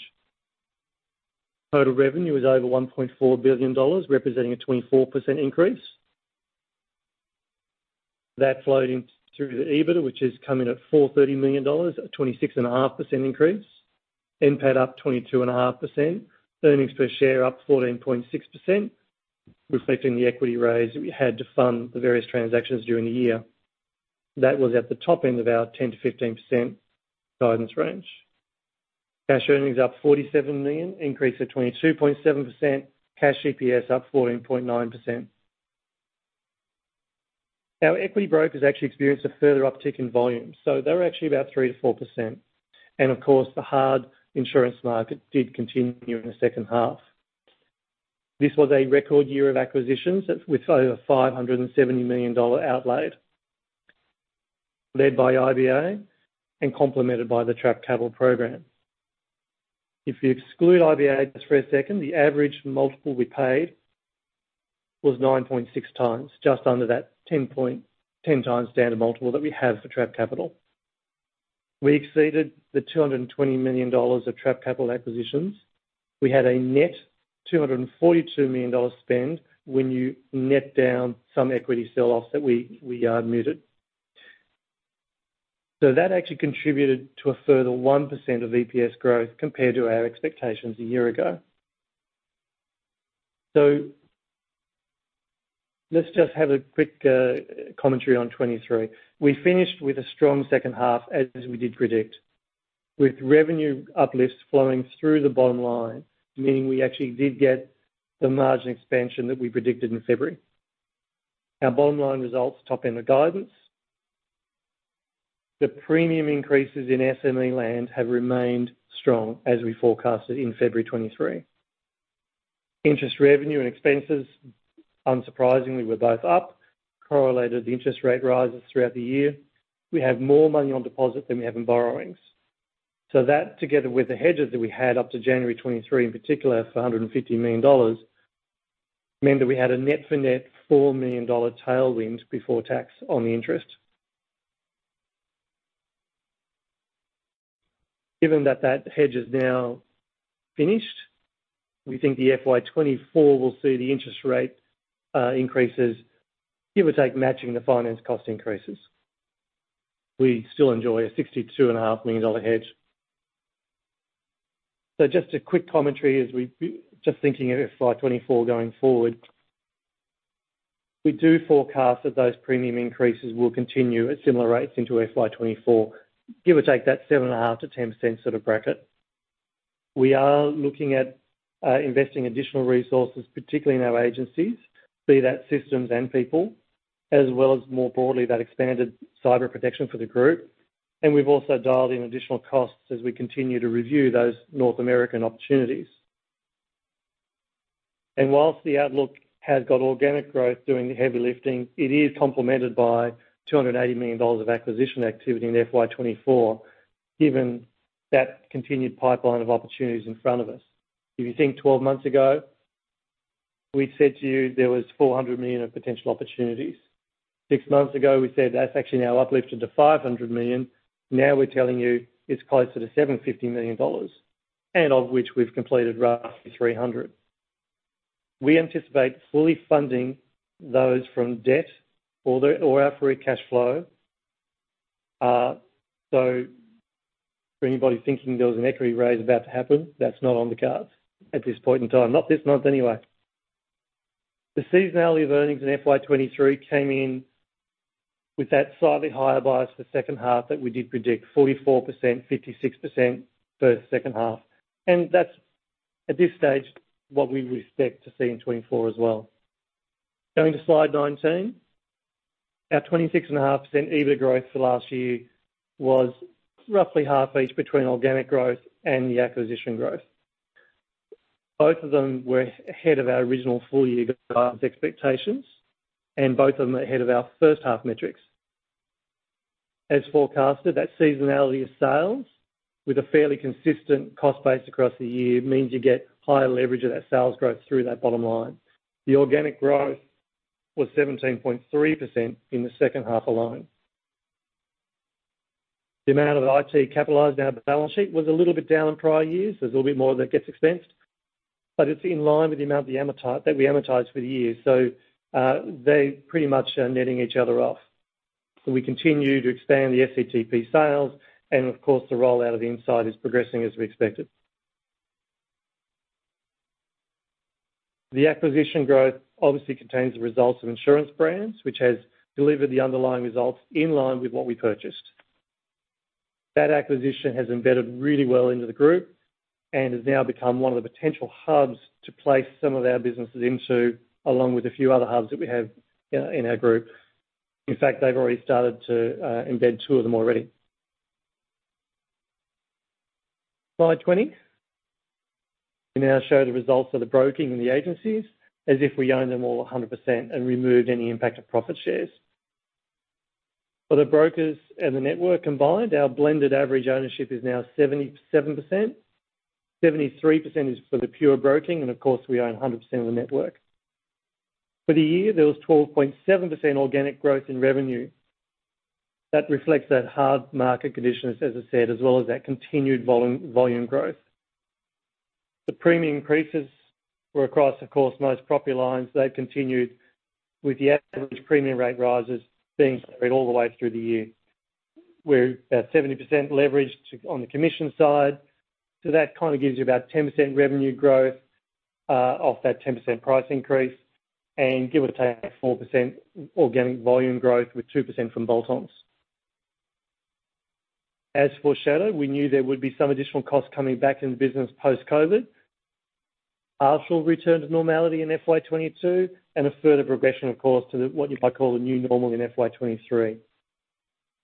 Total revenue is over 1.4 billion dollars, representing a 24% increase. That flowed in through the EBITA, which has come in at 430 million dollars, a 26.5% increase. NPAT up 22.5%. Earnings per share up 14.6%, reflecting the equity raise that we had to fund the various transactions during the year. That was at the top end of our 10%-15% guidance range. Cash earnings up 47 million, increase of 22.7%. Cash EPS up 14.9%. Our equity brokers actually experienced a further uptick in volume. They were actually about 3%-4%. Of course, the hard insurance market did continue in the second half. This was a record year of acquisitions with over 570 million dollar outlaid, led by IBA and complemented by the trapped capital program. If you exclude IBA just for a second, the average multiple we paid was 9.6x, just under that 10 times standard multiple that we have for trapped capital. We exceeded the 220 million dollars of trapped capital acquisitions. We had a net 242 million dollars spend when you net down some equity sell-offs that we, we muted. That actually contributed to a further 1% of EPS growth compared to our expectations a year ago. Let's just have a quick commentary on 2023. We finished with a strong 2nd half, as we did predict, with revenue uplifts flowing through the bottom line, meaning we actually did get the margin expansion that we predicted in February. Our bottom line results topped in the guidance. The premium increases in SME have remained strong as we forecasted in February 2023. Interest revenue and expenses, unsurprisingly, were both up, correlated the interest rate rises throughout the year. We have more money on deposit than we have in borrowings. That, together with the hedges that we had up to January 2023, in particular, for 150 million dollars, meant that we had a net 4 million dollar tailwind before tax on the interest. Given that, that hedge is now finished, we think the FY2024 will see the interest rate increases, give or take, matching the finance cost increases. We still enjoy a 62.5 million dollar hedge. Just a quick commentary as we just thinking of FY2024 going forward. We do forecast that those premium increases will continue at similar rates into FY2024, give or take that 7.5%-10% sort of bracket. We are looking at investing additional resources, particularly in our agencies, be that systems and people, as well as more broadly, that expanded cyber protection for the group. We've also dialed in additional costs as we continue to review those North American opportunities. Whilst the outlook has got organic growth doing the heavy lifting, it is complemented by 280 million dollars of acquisition activity in FY2024, given that continued pipeline of opportunities in front of us. If you think 12 months ago, we'd said to you there was 400 million of potential opportunities. Six months ago, we said that's actually now uplifted to 500 million. Now, we're telling you it's closer to 750 million dollars, and of which we've completed roughly 300 million. We anticipate fully funding those from debt or the, or our free cash flow. So for anybody thinking there was an equity raise about to happen, that's not on the cards at this point in time. Not this month, anyway. The seasonality of earnings in FY2023 came in with that slightly higher bias for second half than we did predict, 44%, 56% for second half. That's, at this stage, what we would expect to see in 2024 as well. Going to slide 19. Our 26.5% EBITA growth for last year was roughly half each between organic growth and the acquisition growth. Both of them were ahead of our original full year guidance expectations, and both of them are ahead of our first half metrics. As forecasted, that seasonality of sales, with a fairly consistent cost base across the year, means you get higher leverage of that sales growth through that bottom line. The organic growth was 17.3% in the second half alone. The amount of IT capitalized on our balance sheet was a little bit down in prior years. There's a little bit more that gets expensed, but it's in line with the amount of the that we amortized for the year. They pretty much are netting each other off. We continue to expand the SCTP sales, and of course, the rollout of the INSIGHT is progressing as we expected. The acquisition growth obviously contains the results of Insurance Brands, which has delivered the underlying results in line with what we purchased. That acquisition has embedded really well into the group and has now become one of the potential hubs to place some of our businesses into, along with a few other hubs that we have in our group. In fact, they've already started to embed two of them already. Slide 20. We now show the results of the broking and the agencies as if we own them all 100% and removed any impact of profit shares. For the brokers and the network combined, our blended average ownership is now 77%. 73% is for the pure broking. Of course, we own 100% of the network. For the year, there was 12.7% organic growth in revenue. That reflects that hard market conditions, as I said, as well as that continued volume growth. The premium increases were across, of course, most property lines. They've continued with the average premium rate rises being spread all the way through the year. We're about 70% leveraged to, on the commission side, so that kind of gives you about 10% revenue growth, of that 10% price increase, and give or take, 4% organic volume growth with 2% from bolt-ons. As foreshadowed, we knew there would be some additional costs coming back in the business post-COVID. Partial return to normality in FY2022, and a further progression, of course, to the, what you might call the new normal in FY2023.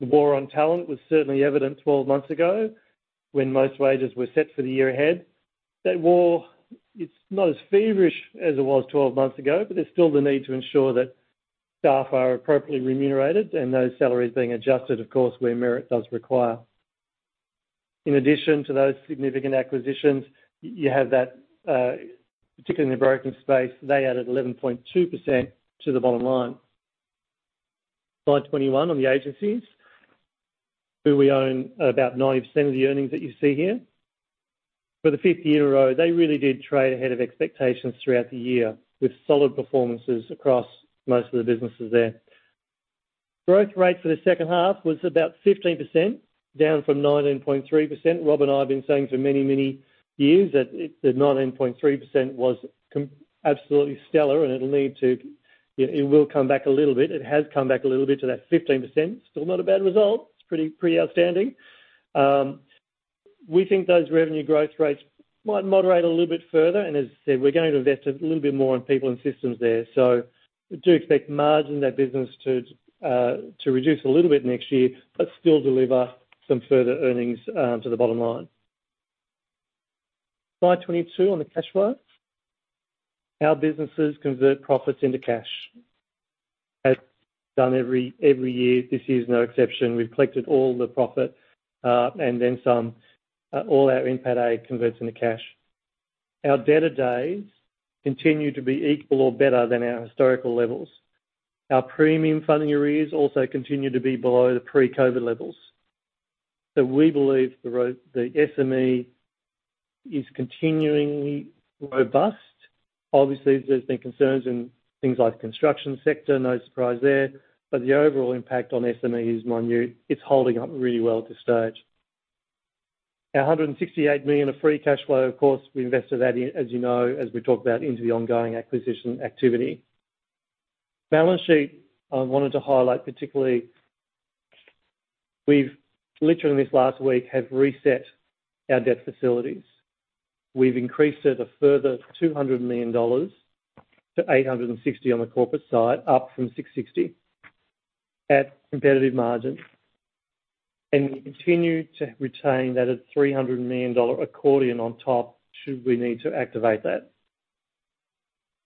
The war on talent was certainly evident 12 months ago, when most wages were set for the year ahead. That war, it's not as feverish as it was 12 months ago, but there's still the need to ensure that staff are appropriately remunerated and those salaries being adjusted, of course, where merit does require. In addition to those significant acquisitions, y- you have that, particularly in the broking space, they added 11.2% to the bottom line. slide 21 on the agencies, who we own about 90% of the earnings that you see here. For the fifth year in a row, they really did trade ahead of expectations throughout the year, with solid performances across most of the businesses there. Growth rate for the second half was about 15%, down from 19.3%. Rob and I have been saying for many, many years that it, the 19.3% was com- absolutely stellar, and it'll need to, it, it will come back a little bit. It has come back a little bit to that 15%. Still not a bad result. It's pretty, pretty outstanding. We think those revenue growth rates might moderate a little bit further. As I said, we're going to invest a little bit more on people and systems there. We do expect margin in that business to reduce a little bit next year, but still deliver some further earnings to the bottom line. slide 22, on the cash flow. Our businesses convert profits into cash. As done every, every year, this year is no exception. We've collected all the profit and then some. All our NPATA converts into cash. Our debtor days continue to be equal or better than our historical levels. Our premium funding arrears also continue to be below the pre-COVID levels. We believe the SME is continuingly robust. There's been concerns in things like the construction sector, no surprise there, but the overall impact on SME is minute. It's holding up really well at this stage. Our 168 million of free cash flow, of course, we invested that in, as you know, as we talked about, into the ongoing acquisition activity. Balance sheet, I wanted to highlight particularly, we've literally, this last week, have reset our debt facilities. We've increased it a further 200 million dollars to 860 on the corporate side, up from 660, at competitive margins. We continue to retain that at 300 million dollar accordion on top, should we need to activate that.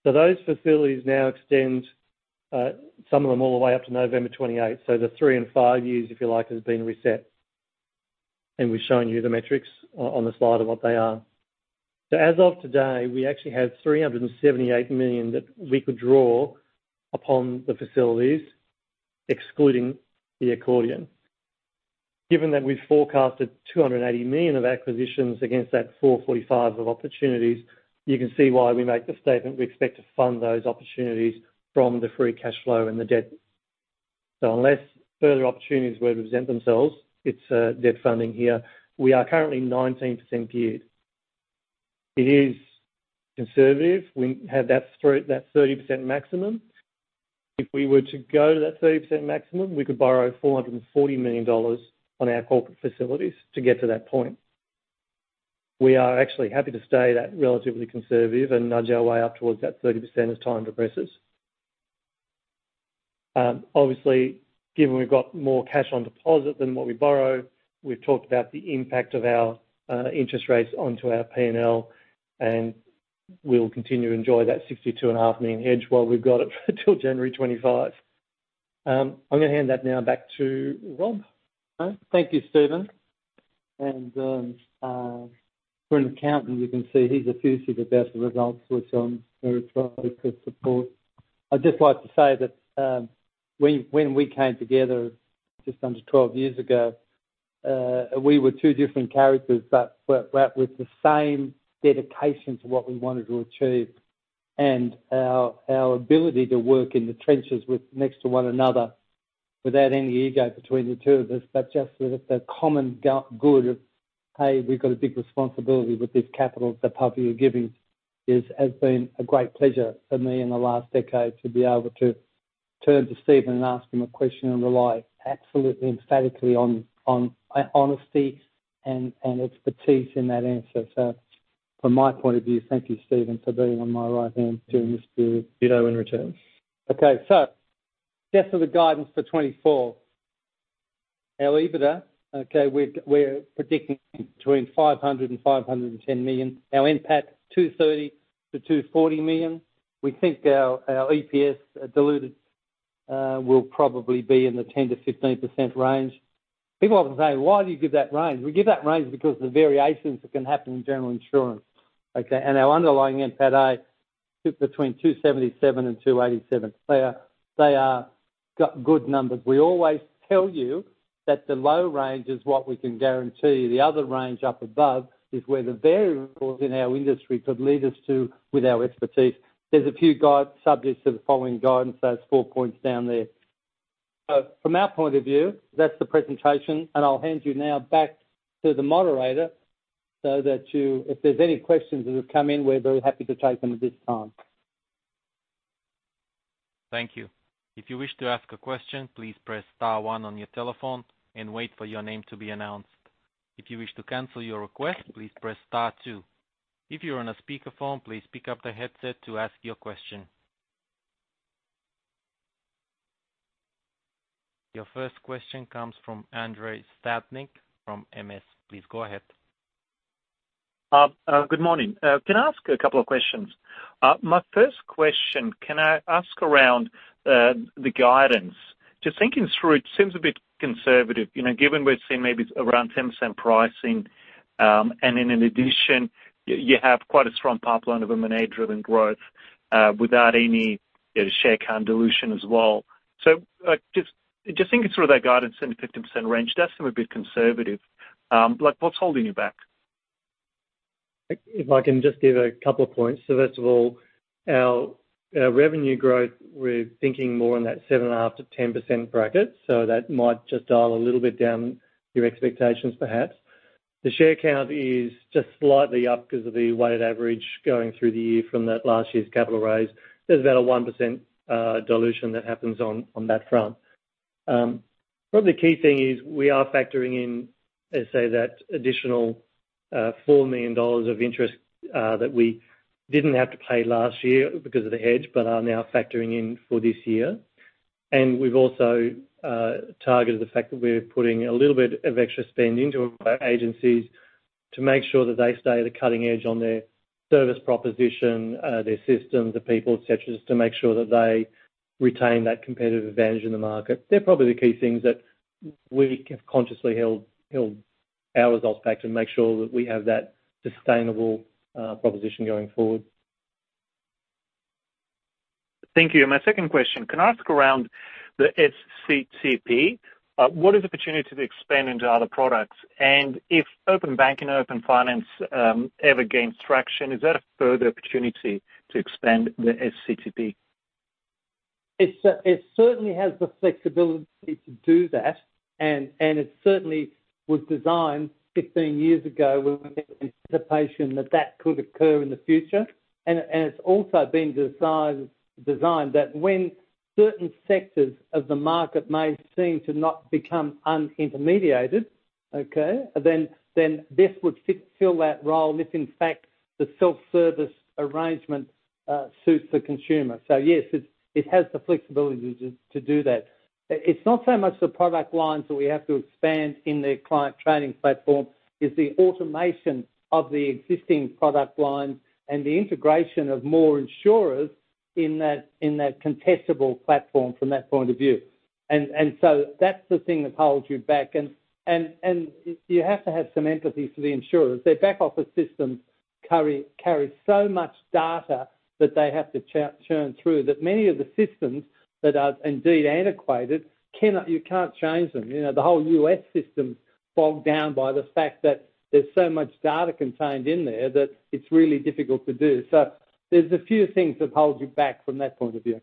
Those facilities now extend, some of them all the way up to November 2028. The three and five years, if you like, has been reset. We've shown you the metrics on the slide of what they are. As of today, we actually have 378 million that we could draw upon the facilities, excluding the accordion. Given that we've forecasted 280 million of acquisitions against that 445 million of opportunities, you can see why we make the statement, we expect to fund those opportunities from the free cash flow and the debt. Unless further opportunities were to present themselves, it's debt funding here. We are currently 19% geared. It is conservative. We have that 30% maximum. If we were to go to that 30% maximum, we could borrow 440 million dollars on our corporate facilities to get to that point. We are actually happy to stay that relatively conservative and nudge our way up towards that 30% as time progresses. Obviously, given we've got more cash on deposit than what we borrow, we've talked about the impact of our interest rates onto our P&L, and we'll continue to enjoy that 62.5 million hedge while we've got it until January 2025. I'm gonna hand that now back to Rob. Thank you, Stephen. For an accountant, you can see he's effusive about the results, which I'm very proud to support. I'd just like to say that we, when we came together just under 12 years ago, we were two different characters, but, but, but with the same dedication to what we wanted to achieve. Our, our ability to work in the trenches with next to one another, without any ego between the two of us, but just with the common good of, hey, we've got a big responsibility with this capital that public are giving, has been a great pleasure for me in the last decade, to be able to turn to Stephen and ask him a question and rely absolutely emphatically on, on honesty and, and expertise in that answer. From my point of view, thank you, Stephen, for being on my right hand during this period. Did in return. Okay, guess of the guidance for 2024. Our EBITDA, okay, we're predicting between 500 million and 510 million. Our NPAT, 230 million to 240 million. We think our EPS diluted will probably be in the 10%-15% range. People often say, "Why do you give that range?" We give that range because of the variations that can happen in general insurance, okay? Our underlying NPATA sit between 277 million and 287 million. They are, they are good numbers. We always tell you that the low range is what we can guarantee. The other range, up above, is where the variables in our industry could lead us to with our expertise. There's a few subjects of the following guidance, those four points down there. From our point of view, that's the presentation, and I'll hand you now back to the moderator so that if there's any questions that have come in, we're very happy to take them at this time. Thank you. If you wish to ask a question, please press star one on your telephone and wait for your name to be announced. If you wish to cancel your request, please press star two. If you're on a speakerphone, please pick up the headset to ask your question. Your first question comes from Andrei Stadnik from MS. Please go ahead. Good morning. Can I ask a couple of questions? My first question, can I ask around the guidance? Just thinking through, it seems a bit conservative, you know, given we're seeing maybe around 10% pricing, and then in addition, you have quite a strong pipeline of M&A-driven growth. Without any, you know, share count dilution as well. Just thinking through that guidance in the 50% range, does seem a bit conservative. Like, what's holding you back? If I can just give a couple of points. First of all, our, our revenue growth, we're thinking more on that 7.5%-10% bracket, so that might just dial a little bit down your expectations perhaps. The share count is just slightly up because of the weighted average going through the year from that last year's capital raise. There's about a 1% dilution that happens on, on that front. The key thing is we are factoring in, let's say, that additional 4 million dollars of interest that we didn't have to pay last year because of the hedge, but are now factoring in for this year. We've also targeted the fact that we're putting a little bit of extra spend into our agencies to make sure that they stay at the cutting edge on their service proposition, their systems, the people, etc., just to make sure that they retain that competitive advantage in the market. They're probably the key things that we have consciously held, held our results back to make sure that we have that sustainable proposition going forward. Thank you. My second question, can I ask around the SCTP? What is the opportunity to expand into other products? If open banking and open finance ever gains traction, is that a further opportunity to expand the SCTP? It certainly has the flexibility to do that, and, and it certainly was designed 15 years ago with the anticipation that that could occur in the future. It's also been designed, designed that when certain sectors of the market may seem to not become unintermediated, okay, then this would fill that role if in fact, the self-service arrangement suits the consumer. Yes, it, it has the flexibility to, to do that. It's not so much the product lines that we have to expand in the client trading platform, it's the automation of the existing product lines and the integration of more insurers in that, in that contestable platform from that point of view. That's the thing that holds you back. You have to have some empathy for the insurers. Their back office systems carry, carry so much data that they have to churn through, that many of the systems that are indeed antiquated, you can't change them. You know, the whole U.S. system bogged down by the fact that there's so much data contained in there, that it's really difficult to do. There's a few things that hold you back from that point of view.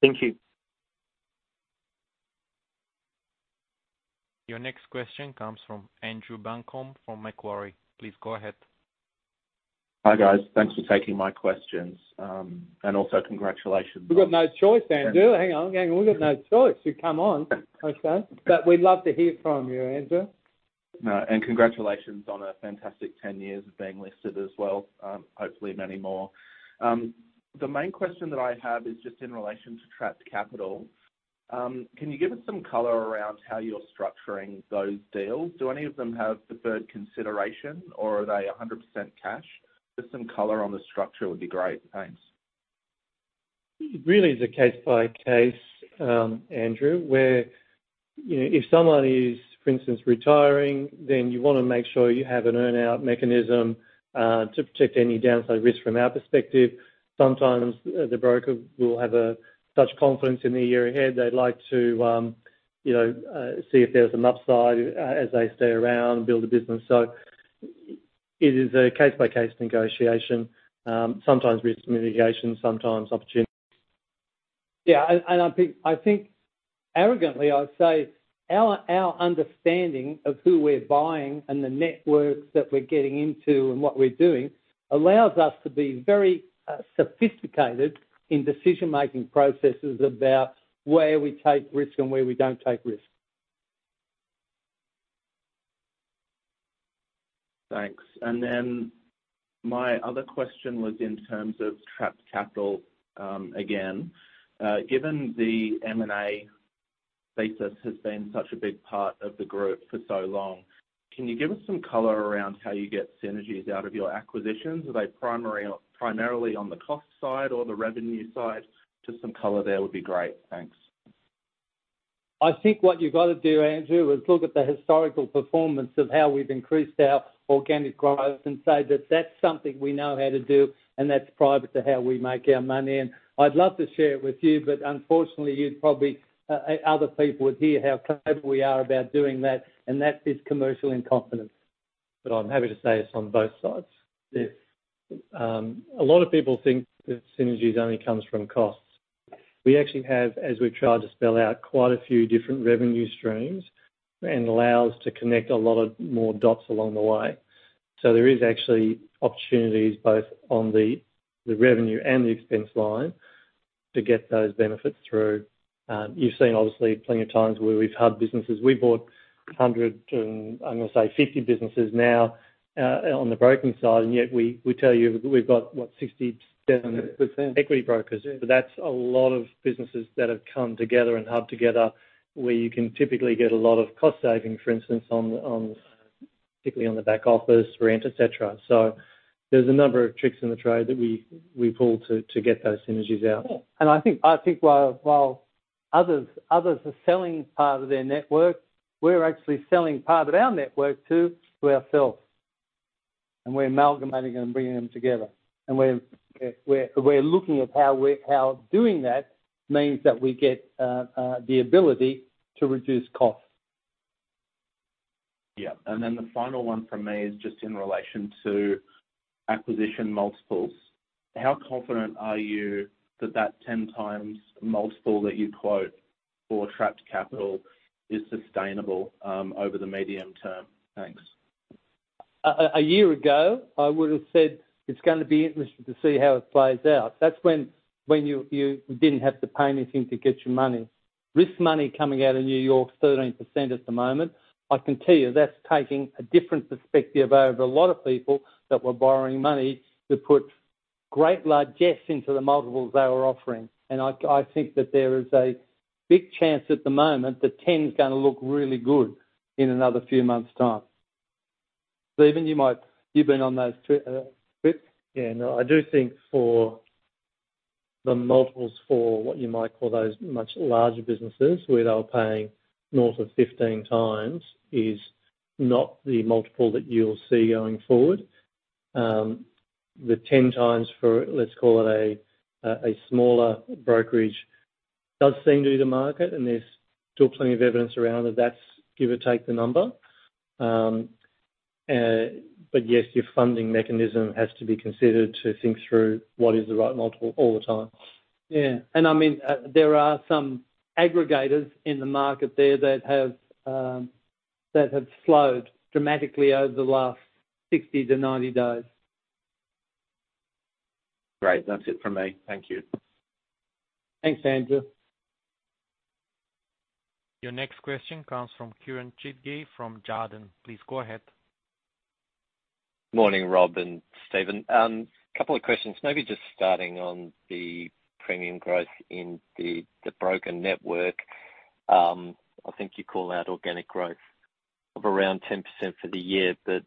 Thank you. Your next question comes from Andrew Buncombe, from Macquarie. Please go ahead. Hi, guys. Thanks for taking my questions. also congratulations- We've got no choice, Andrew. Hang on, hang on. We've got no choice. You come on. Okay? We'd love to hear from you, Andrew. No, congratulations on a fantastic 10 years of being listed as well, hopefully many more. The main question that I have is just in relation to trapped capital. Can you give us some color around how you're structuring those deals? Do any of them have deferred consideration, or are they 100% cash? Just some color on the structure would be great. Thanks. It really is a case by case, Andrew, where, you know, if someone is, for instance, retiring, then you want to make sure you have an earn-out mechanism to protect any downside risk from our perspective. Sometimes the broker will have a such confidence in the year ahead, they'd like to, you know, see if there's some upside as they stay around and build a business. It is a case-by-case negotiation, sometimes risk mitigation, sometimes opportunity. Yeah, I think, I think arrogantly, I'd say our, our understanding of who we're buying and the networks that we're getting into and what we're doing, allows us to be very sophisticated in decision-making processes about where we take risk and where we don't take risk. Thanks. My other question was in terms of trapped capital, again. Given the M&A thesis has been such a big part of the group for so long, can you give us some color around how you get synergies out of your acquisitions? Are they primary, primarily on the cost side or the revenue side? Just some color there would be great. Thanks. I think what you've got to do, Andrew, is look at the historical performance of how we've increased our organic growth and say that that's something we know how to do, and that's private to how we make our money. I'd love to share it with you, but unfortunately, you'd probably, other people would hear how clever we are about doing that, and that is commercial in confidence. I'm happy to say it's on both sides. Yes. A lot of people think that synergies only comes from costs. We actually have, as we've tried to spell out, quite a few different revenue streams, and allows to connect a lot of more dots along the way. There is actually opportunities both on the, the revenue and the expense line to get those benefits through. You've seen obviously, plenty of times where we've had businesses. We bought 150 businesses now on the broking side, and yet we, we tell you we've got, what? 67. Percent equity brokers. Yeah. That's a lot of businesses that have come together and hub together, where you can typically get a lot of cost saving, for instance, on particularly on the back office, rent, et cetera. There's a number of tricks in the trade that we, we pull to, to get those synergies out. Yeah. I think, I think while others, others are selling part of their network. We're actually selling part of our network to, to ourselves, and we're amalgamating them and bringing them together. We're, we're, we're looking at how doing that means that we get the ability to reduce costs. Yeah. Then the final one from me is just in relation to acquisition multiples. How confident are you that that 10x multiple that you quote for trapped capital is sustainable over the medium term? Thanks. A year ago, I would have said it's going to be interesting to see how it plays out. That's when you didn't have to pay anything to get your money. Risk money coming out of New York, 13% at the moment. I can tell you that's taking a different perspective over a lot of people that were borrowing money to put great largesse into the multiples they were offering. I think that there is a big chance at the moment that 10 is gonna look really good in another few months' time. Stephen, you've been on those trips. Yeah, no, I do think for the multiples, for what you might call those much larger businesses, where they were paying north of 15 times, is not the multiple that you'll see going forward. The 10 times for, let's call it a, a smaller brokerage, does seem to be the market, and there's still plenty of evidence around that that's give or take the number. Yes, your funding mechanism has to be considered to think through what is the right multiple all the time. Yeah, I mean, there are some aggregators in the market there that have, that have slowed dramatically over the last 60 to 90 days. Great. That's it from me. Thank you. Thanks, Andrew. Your next question comes from Kieran Chidgey from Jarden. Please go ahead. Morning, Rob and Stephen. A couple of questions, maybe just starting on the premium growth in the broker network. I think you call out organic growth of around 10% for the year, but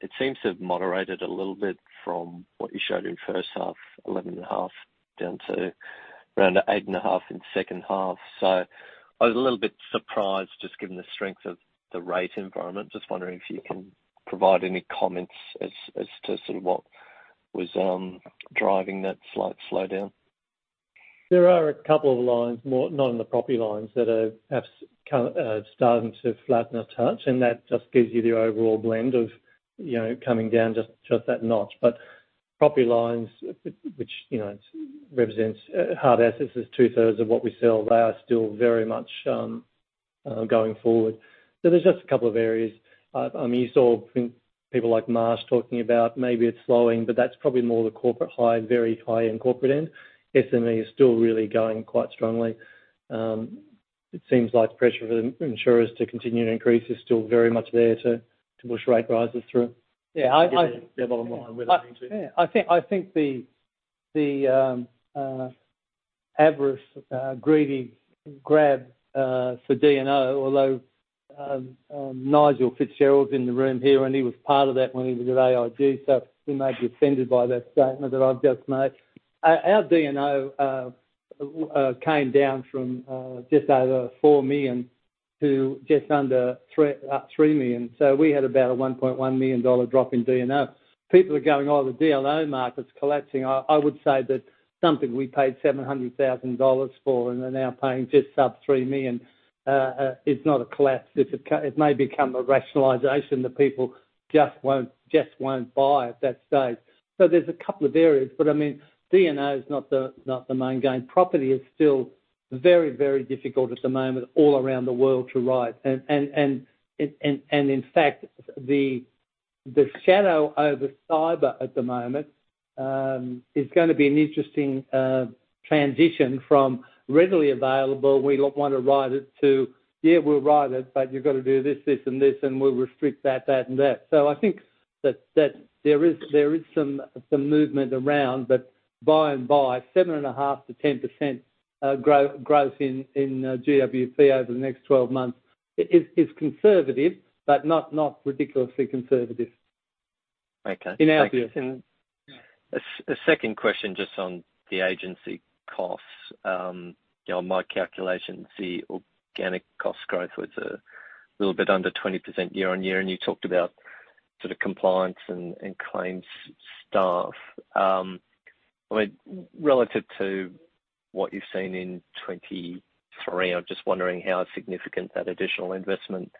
it seems to have moderated a little bit from what you showed in the first half, 11.5%, down to around 8.5% in the second half. I was a little bit surprised, just given the strength of the rate environment, just wondering if you can provide any comments as to sort of what was driving that slight slowdown. There are a couple of lines, more, not in the property lines, that are kind, starting to flatten a touch, and that just gives you the overall blend of, you know, coming down just, just that notch. Property lines, which, you know, represents hard assets, is two-thirds of what we sell. They are still very much going forward. There's just a couple of areas. I mean, you saw people like Marsh talking about maybe it's slowing, but that's probably more the corporate high, very high in corporate end. SME is still really going quite strongly. It seems like pressure for the insurers to continue to increase is still very much there to, to push rate rises through. Yeah, I. Bottom line, we're looking to. Yeah, I think, I think the, the avarice, greedy grab for D&O, although Nigel Fitzgerald's in the room here, and he was part of that when he was at AIG, so he may be offended by that statement that I've just made. Our D&O came down from just over 4 million to just under 3 million. We had about a 1.1 million dollar drop in D&O. People are going, "Oh, the D&O market's collapsing." I, I would say that something we paid 700,000 dollars for and are now paying just sub 3 million is not a collapse. It may become a rationalization that people just won't, just won't buy at that stage. There's a couple of areas, but I mean, D&O is not the, not the main game. Property is still very, very difficult at the moment all around the world to write. In fact, the shadow over cyber at the moment is gonna be an interesting transition from readily available, we want to write it, to, "Yeah, we'll write it, but you've got to do this, this, and this, and we'll restrict that, that, and that." I think that there is some movement around, but by and by, 7.5%-10% growth in GWP over the next 12 months is conservative, but not ridiculously conservative. Okay. In our view. A second question, just on the agency costs. You know, my calculations, the organic cost growth was a little bit under 20% year-on-year, and you talked about sort of compliance and claims staff. I mean, relative to what you've seen in 2023, I'm just wondering how significant that additional investment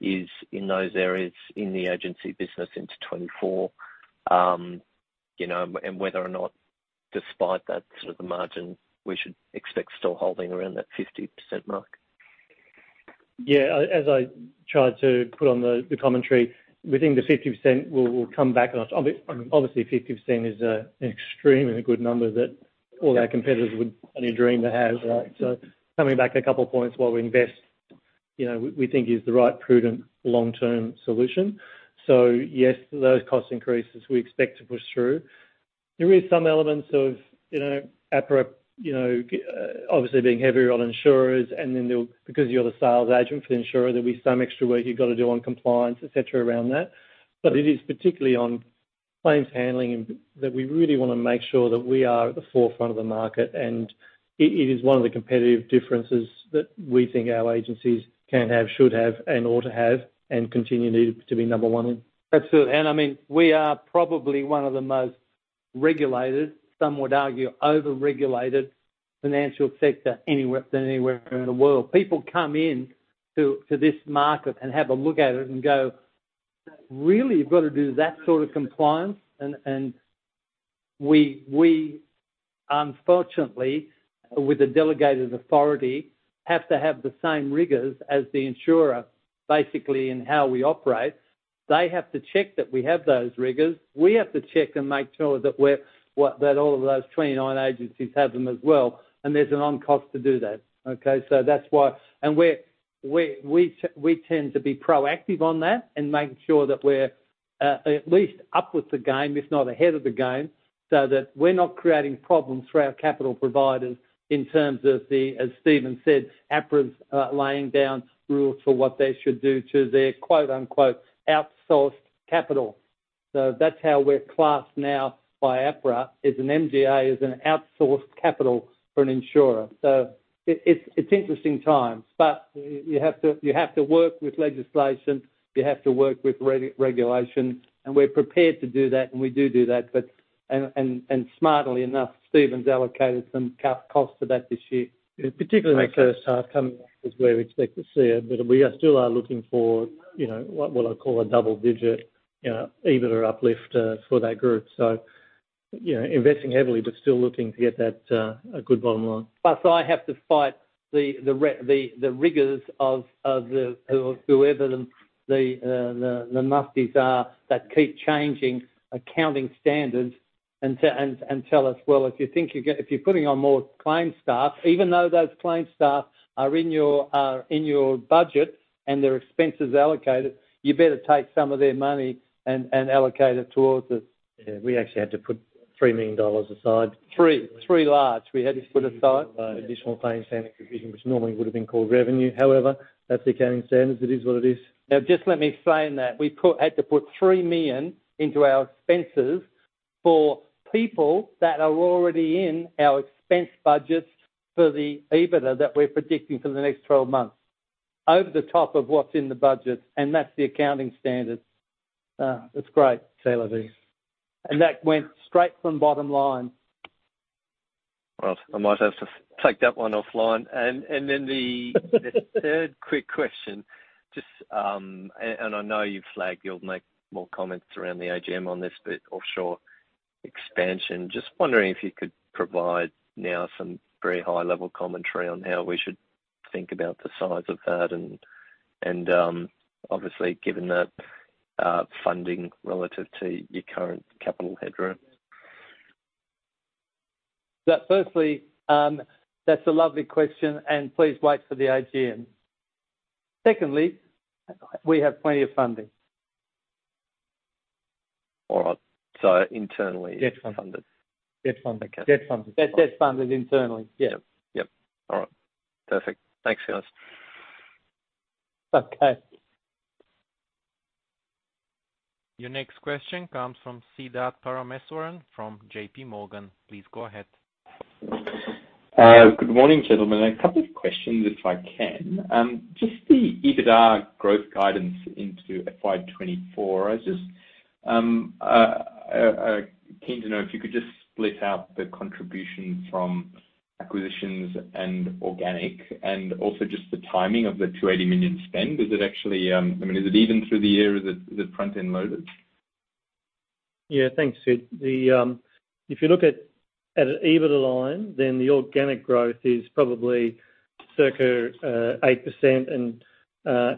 is in those areas, in the agency business into 2024? You know, and whether or not, despite that sort of the margin, we should expect still holding around that 50% mark. Yeah, as I tried to put on the, the commentary, within the 50%, we'll, we'll come back on. Obviously, 50% is an extremely good number that all our competitors would only dream to have, right? coming back a couple of points while we invest, you know, we, we think is the right prudent long-term solution. yes, those cost increases, we expect to push through. There is some elements of, you know, APRA, you know, obviously being heavier on insurers, and then there'll because you're the sales agent for the insurer, there'll be some extra work you've got to do on compliance, et cetera, around that. it is particularly on. claims handling, and that we really want to make sure that we are at the forefront of the market, and it, it is one of the competitive differences that we think our agencies can have, should have, and ought to have, and continue to, to be number one in. Absolutely, I mean, we are probably one of the most regulated, some would argue, over-regulated financial sector anywhere than anywhere in the world. People come in to this market and have a look at it and go: "Really? You've got to do that sort of compliance?" We unfortunately, with the delegated authority, have to have the same rigors as the insurer, basically, in how we operate. They have to check that we have those rigors. We have to check and make sure that we're that all of those 29 agencies have them as well, there's a non-cost to do that, okay? That's why. We're, we, we tend to be proactive on that and making sure that we're at least up with the game, if not ahead of the game, so that we're not creating problems for our capital providers in terms of the, as Stephen said, APRA's laying down rules for what they should do to their, quote, unquote, 'outsourced capital.' That's how we're classed now by APRA, is an MGA is an outsourced capital for an insurer. It's interesting times, but you have to, you have to work with legislation, you have to work with regulation, and we're prepared to do that, and we do do that. Smartly enough, Stephen's allocated some costs to that this year. Yeah, particularly in the first half coming, is where we expect to see it. We are still are looking for, you know, what, what I call a double digit EBITDA uplift for that group. You know, investing heavily but still looking to get that a good bottom line. I have to fight the, the rigors of, of the, of whoever the, the, the musties are, that keep changing accounting standards and tell, and, and tell us, "Well, if you think you're if you're putting on more claim staff, even though those claim staff are in your, in your budget and their expenses allocated, you better take some of their money and, and allocate it towards us. Yeah, we actually had to put 3 million dollars aside. Three, three large, we had to put aside. Additional claims handling provision, which normally would have been called revenue. However, that's accounting standards. It is what it is. Just let me explain that. We had to put 3 million into our expenses for people that are already in our expense budgets for the EBITDA that we're predicting for the next 12 months, over the top of what's in the budget. That's the accounting standard. It's great, c'est la vie. That went straight from bottom line. Well, I might have to take that one offline. Then the third quick question, just, I know you've flagged, you'll make more comments around the AGM on this, but offshore expansion. Just wondering if you could provide now some very high-level commentary on how we should think about the size of that and, obviously, given the funding relative to your current capital headroom? Firstly, that's a lovely question, and please wait for the AGM. Secondly, we have plenty of funding. All right, internally- Debt funded. Funded. Debt funded. Okay. Debt funded. They're debt funded internally, yeah. Yep. Yep. All right, perfect. Thanks, fellas. Okay. Your next question comes from Siddharth Parameswaran from J.P. Morgan. Please go ahead. Good morning, gentlemen. A couple of questions, if I can. Just the EBITDA growth guidance into FY2024. I was just keen to know if you could just split out the contribution from acquisitions and organic, and also just the timing of the 280 million spend. Is it actually, I mean, is it even through the year? Is it, is it front-end loaded? Yeah. Thanks, Sid. If you look at, at an EBITDA line, then the organic growth is probably circa 8%, and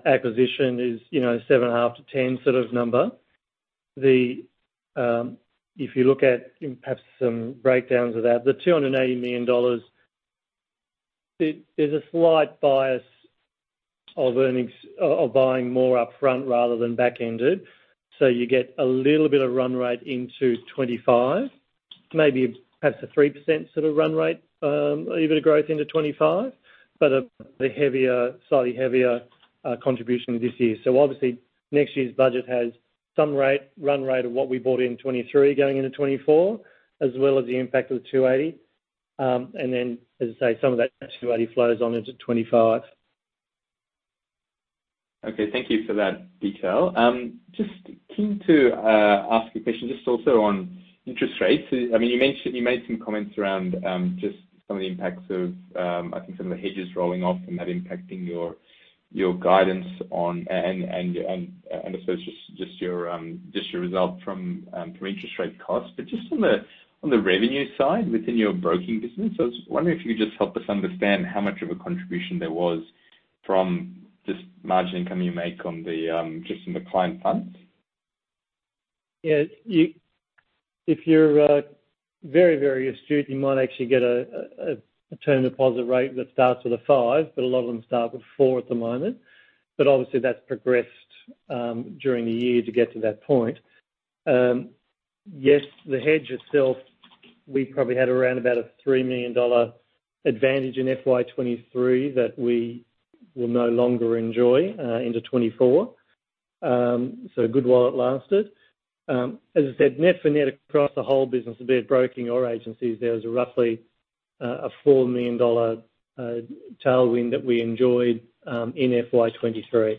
acquisition is, you know, 7.5-10 sort of number. If you look at perhaps some breakdowns of that, the 280 million dollars, there's a slight bias of earnings of buying more upfront rather than back-ended. You get a little bit of run rate into 2025, maybe perhaps a 3% sort of run rate, EBITDA growth into 2025, but a heavier, slightly heavier, contribution this year. Obviously, next year's budget has some rate, run rate of what we bought in 2023, going into 2024, as well as the impact of the 280 million. Then, as I say, some of that 280 million flows on into 2025. Okay, thank you for that detail. Just keen to ask a question, just also on interest rates. I mean, you made some comments around just some of the impacts of, I think, some of the hedges rolling off and that impacting your, your guidance on. And, and, and, and I suppose just your just your result from from interest rate costs. But just on the revenue side, within your broking business, I was wondering if you could just help us understand how much of a contribution there was from this margin income you make on the just from the client funds? Yeah, if you're very, very astute, you might actually get a term deposit rate that starts with a five, a lot of them start with four at the moment. Obviously, that's progressed during the year to get to that point. Yes, the hedge itself, we probably had around about a 3 million dollar advantage in FY2023 that we will no longer enjoy into FY2024. Good while it lasted. As I said, net-to-net across the whole business, be it broking or agencies, there's roughly a 4 million dollar tailwind that we enjoyed in FY2023.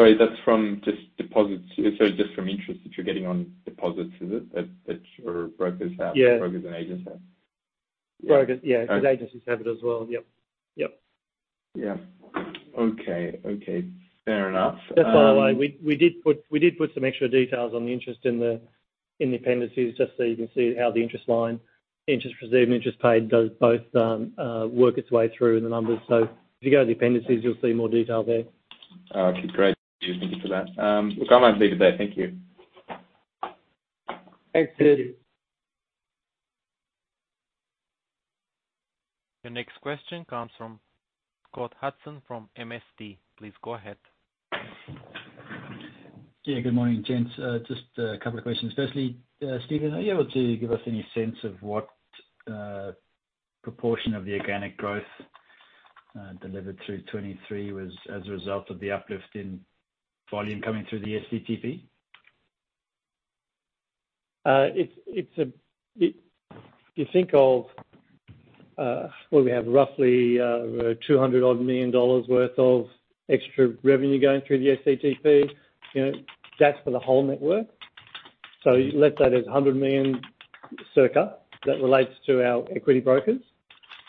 Sorry, that's from just deposits-- Just from interest that you're getting on deposits, is it, at, at your brokers house? Yeah. Brokers and agent house? Brokers, yeah. Okay. Agencies have it as well. Yep. Yep. Yeah. Okay, okay. Fair enough. Just by the way, we, we did put, we did put some extra details on the interest in the, in the appendices, just so you can see how the interest line, interest received and interest paid, does both work its way through in the numbers. If you go to the appendices, you'll see more detail there. Okay, great. Thank you for that. Comments later today. Thank you. Thanks, Sidd. The next question comes from Scott Hudson from MST. Please go ahead. Good morning, gents. Just a couple of questions. Firstly, Stephen, are you able to give us any sense of what proportion of the organic growth delivered through FY2023 was as a result of the uplift in volume coming through the SCTP? It's. If you think of, well, we have roughly 200 million dollars odd worth of extra revenue going through the SCTP, you know, that's for the whole network. Let's say there's 100 million circa, that relates to our equity brokers.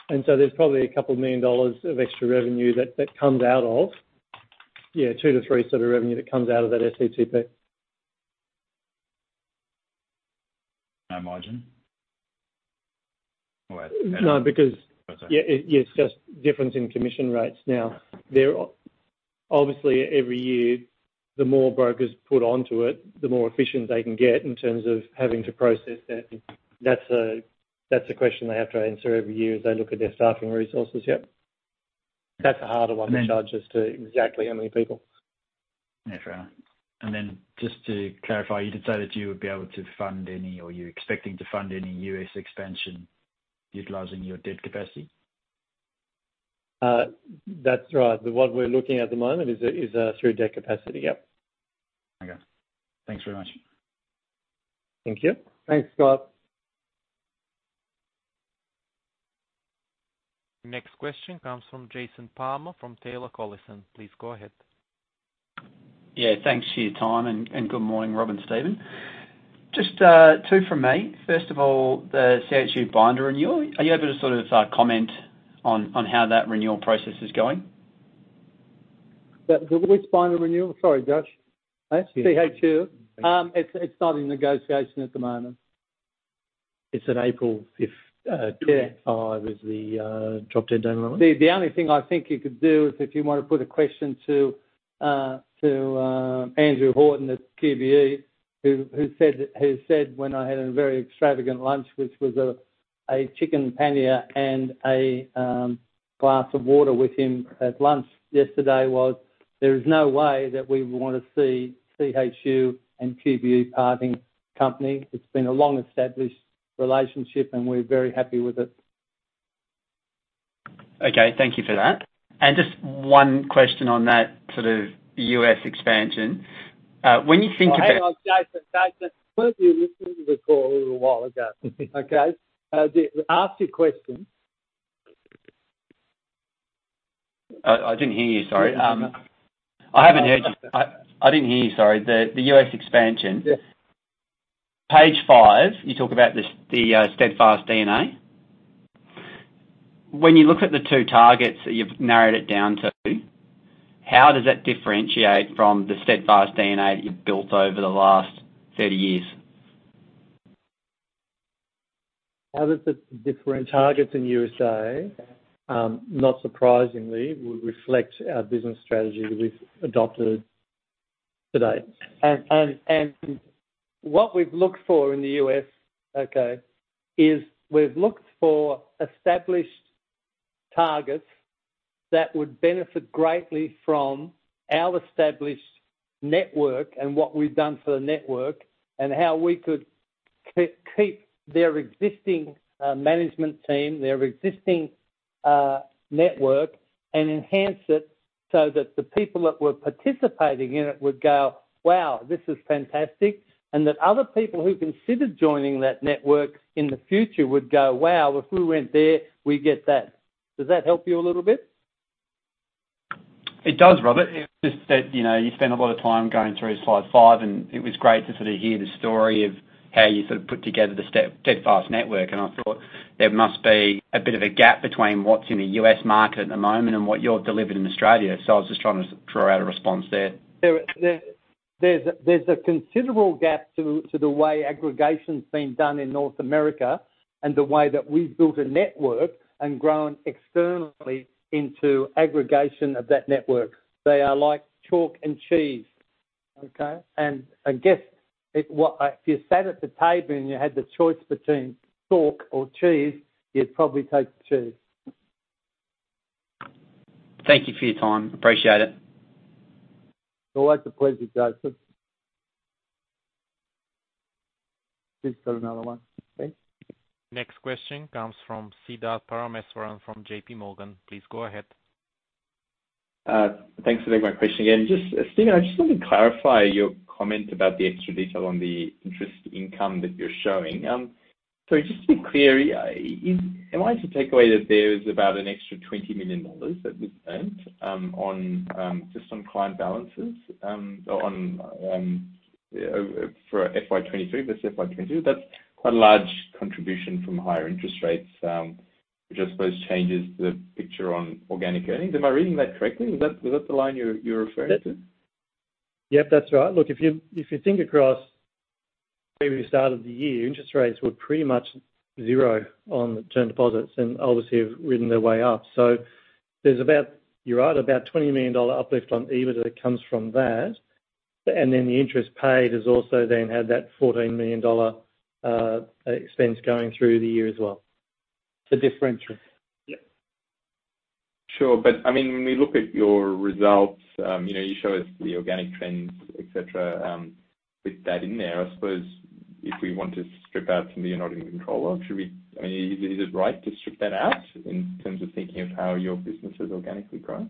There's probably 2 million dollars of extra revenue that comes out of, 2 million-3 million sort of revenue that comes out of that SCTP. No margin? All right. No, because- Oh, sorry. Yeah, it's just difference in commission rates. Obviously, every year, the more brokers put onto it, the more efficient they can get in terms of having to process that. That's a question they have to answer every year as they look at their staffing resources. Yep. That's a harder one to charge as to exactly how many people. Yeah, fair. Then just to clarify, you'd decide that you would be able to fund any, or you're expecting to fund any US expansion utilizing your debt capacity? that's right. What we're looking at the moment is a, is through debt capacity. Yep. Okay. Thanks very much. Thank you. Thanks, Scott. The next question comes from Jason Palmer, from Taylor Collison. Please go ahead. Thanks for your time, and good morning, Rob and Stephen. Just two from me. First of all, the CHU binder renewal. Are you able to sort of, comment on, on how that renewal process is going? The, which binder renewal? Sorry, Josh. CHU? It's, it's not in negotiation at the moment. It's an April fifth. Yeah Five, is the drop-dead date at the moment. The, the only thing I think you could do is if you want to put a question to Andrew Horton at QBE, who, who said, who said when I had a very extravagant lunch, which was a chicken paneer and a glass of water with him at lunch yesterday, was: There is no way that we would want to see CHU and QBE parting company. It's been a long-established relationship, and we're very happy with it. Okay. Thank you for that. Just one question on that sort of U.S expansion. When you think about- Hang on, Jason. Jason, weren't you listening to the call a little while ago? Okay, ask your question. I didn't hear you, sorry. Okay. I haven't heard you. I didn't hear you, sorry. The U.S expansion. Yes. Page 5, you talk about the the Steadfast DNA. When you look at the two targets that you've narrowed it down to, how does that differentiate from the Steadfast DNA that you've built over the last 30 years? How does the different targets in U.S., not surprisingly, will reflect our business strategy we've adopted today? What we've looked for in the U.S., okay, is we've looked for established targets that would benefit greatly from our established network and what we've done for the network, and how we could keep their existing management team, their existing network, and enhance it so that the people that were participating in it would go: "Wow, this is fantastic!" That other people who considered joining that network in the future would go: "Wow, if we went there, we'd get that." Does that help you a little bit? It does, Robert. It just that, you know, you spent a lot of time going through slide five. It was great to sort of hear the story of how you sort of put together the Steadfast network. I thought there must be a bit of a gap between what's in the U.S. market at the moment and what you've delivered in Australia. I was just trying to draw out a response there. There's a considerable gap to the way aggregation's been done in North America and the way that we've built a network and grown externally into aggregation of that network. They are like chalk and cheese, okay? I guess, if you sat at the table and you had the choice between chalk or cheese, you'd probably take the cheese. Thank you for your time. Appreciate it. Well, it's a pleasure, Jason. Please put another one. Okay? Next question comes from Siddharth Parameswaran from J.P. Morgan. Please go ahead. Thanks for taking my question again. Just, Stephen, I just want to clarify your comment about the extra detail on the interest income that you're showing. So just to be clear, am I to take away that there's about an extra 20 million dollars that we've earned on just on client balances for FY2023 versus FY2022? That's quite a large contribution from higher interest rates, which I suppose changes the picture on organic earnings. Am I reading that correctly? Is that, is that the line you're, you're referring to? Yep, that's right. Look, if you, if you think across where we started the year, interest rates were pretty much zero on term deposits and obviously have ridden their way up. There's about, you're right, about 20 million dollar uplift on EBITA that comes from that, and then the interest paid has also then had that 14 million dollar expense going through the year as well. The differential. Yeah. Sure. I mean, when we look at your results, you know, you show us the organic trends, et cetera. With that in there, I suppose if we want to strip out something you're not in control of, I mean, is it, is it right to strip that out in terms of thinking of how your business has organically grown?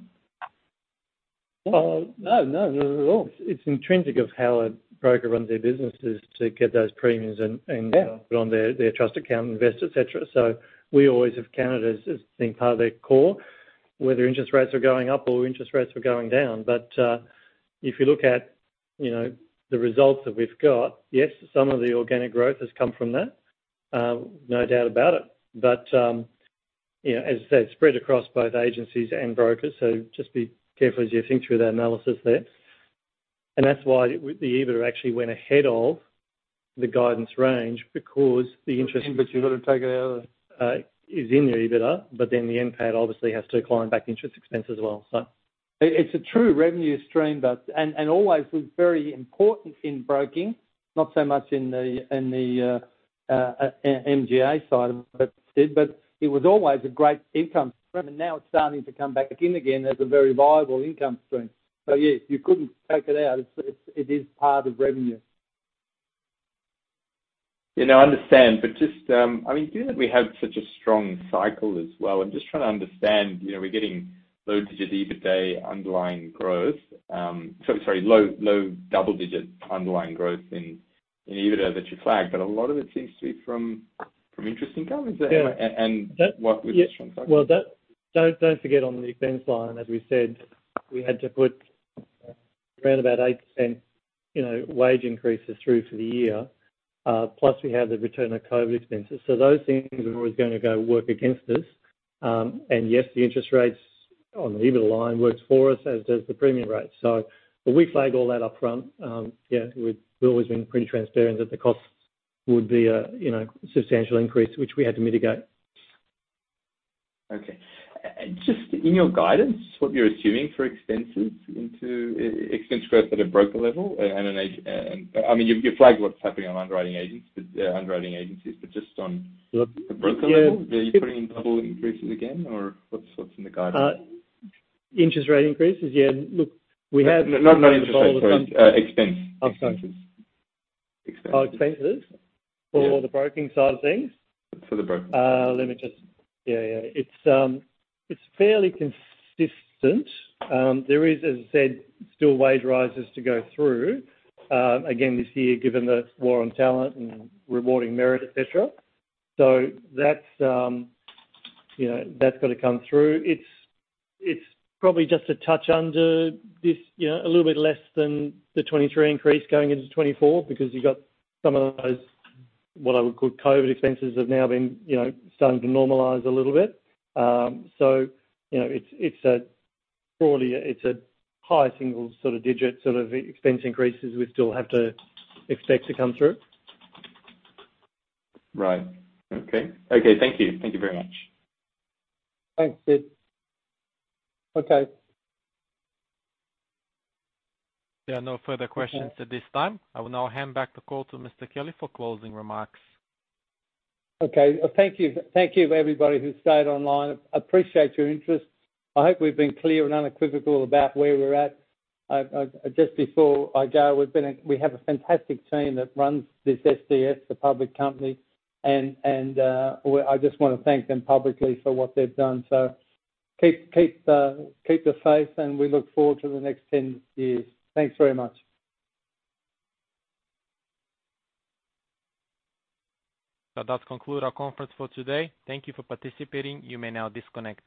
No, no, not at all. It's intrinsic of how a broker runs their businesses to get those premiums. Yeah put on their, their trust account, invest, et cetera. We always have counted as being part of their core, whether interest rates are going up or interest rates are going down. If you look at, you know, the results that we've got, yes, some of the organic growth has come from that, no doubt about it. You know, as I said, spread across both agencies and brokers, so just be careful as you think through that analysis there. That's why the EBITA actually went ahead of the guidance range, because the interest- You've got to take it out. is in the EBITA, but then the NPAT obviously has to decline back interest expense as well, so. It's a true revenue stream. Always was very important in broking, not so much in the MGA side, but it was always a great income stream, and now it's starting to come back in again as a very viable income stream. Yes, you couldn't take it out. It's, it is part of revenue. Just, I mean, given that we had such a strong cycle as well, I'm just trying to understand, you know, we're getting low digits EBITA underlying growth. Sorry, low, low double-digit underlying growth in EBITA that you flagged, but a lot of it seems to be from, from interest income. Is that? Yeah. What with- Well, that don't, don't forget, on the expense line, as we said, we had to put around about 8%, you know, wage increases through for the year, plus we had the return of COVID expenses. Those things are always gonna go work against us. And yes, the interest rates on the EBITA line works for us, as does the premium rate. When we flag all that up front, yeah, we've, we've always been pretty transparent that the costs would be a, you know, substantial increase, which we had to mitigate. Okay. Just in your guidance, what you're assuming for expenses into expense growth at a broker level and, I mean, you, you flagged what's happening on underwriting agents, underwriting agencies, but just on- Look... the broker level, are you putting in double increases again or what's, what's in the guidance? Interest rate increases? Yeah, look, we have- Not, not interest, sorry, expense. Okay. Expenses. Oh, expenses? Yeah. For the broking side of things? For the broking. Let me just. Yeah, yeah. It's, it's fairly consistent. There is, as I said, still wage rises to go through again, this year, given the war on talent and rewarding merit, et cetera. That's, you know, that's got to come through. It's, it's probably just a touch under this, you know, a little bit less than the 23 increase going into 2024, because you've got some of those, what I would call COVID expenses, have now been, you know, starting to normalize a little bit. You know, it's, it's a broadly, it's a high single sort of digit, sort of expense increases we still have to expect to come through. Right. Okay. Okay, thank you. Thank you very much. Thanks, Sid. Okay. There are no further questions at this time. I will now hand back the call to Mr. Kelly for closing remarks. Okay. Thank you. Thank you, everybody who stayed online. Appreciate your interest. I hope we've been clear and unequivocal about where we're at. Just before I go, we have a fantastic team that runs this SDF, the public company, and I just want to thank them publicly for what they've done. Keep, keep the faith, and we look forward to the next 10 years. Thanks very much. That conclude our conference for today. Thank you for participating. You may now disconnect.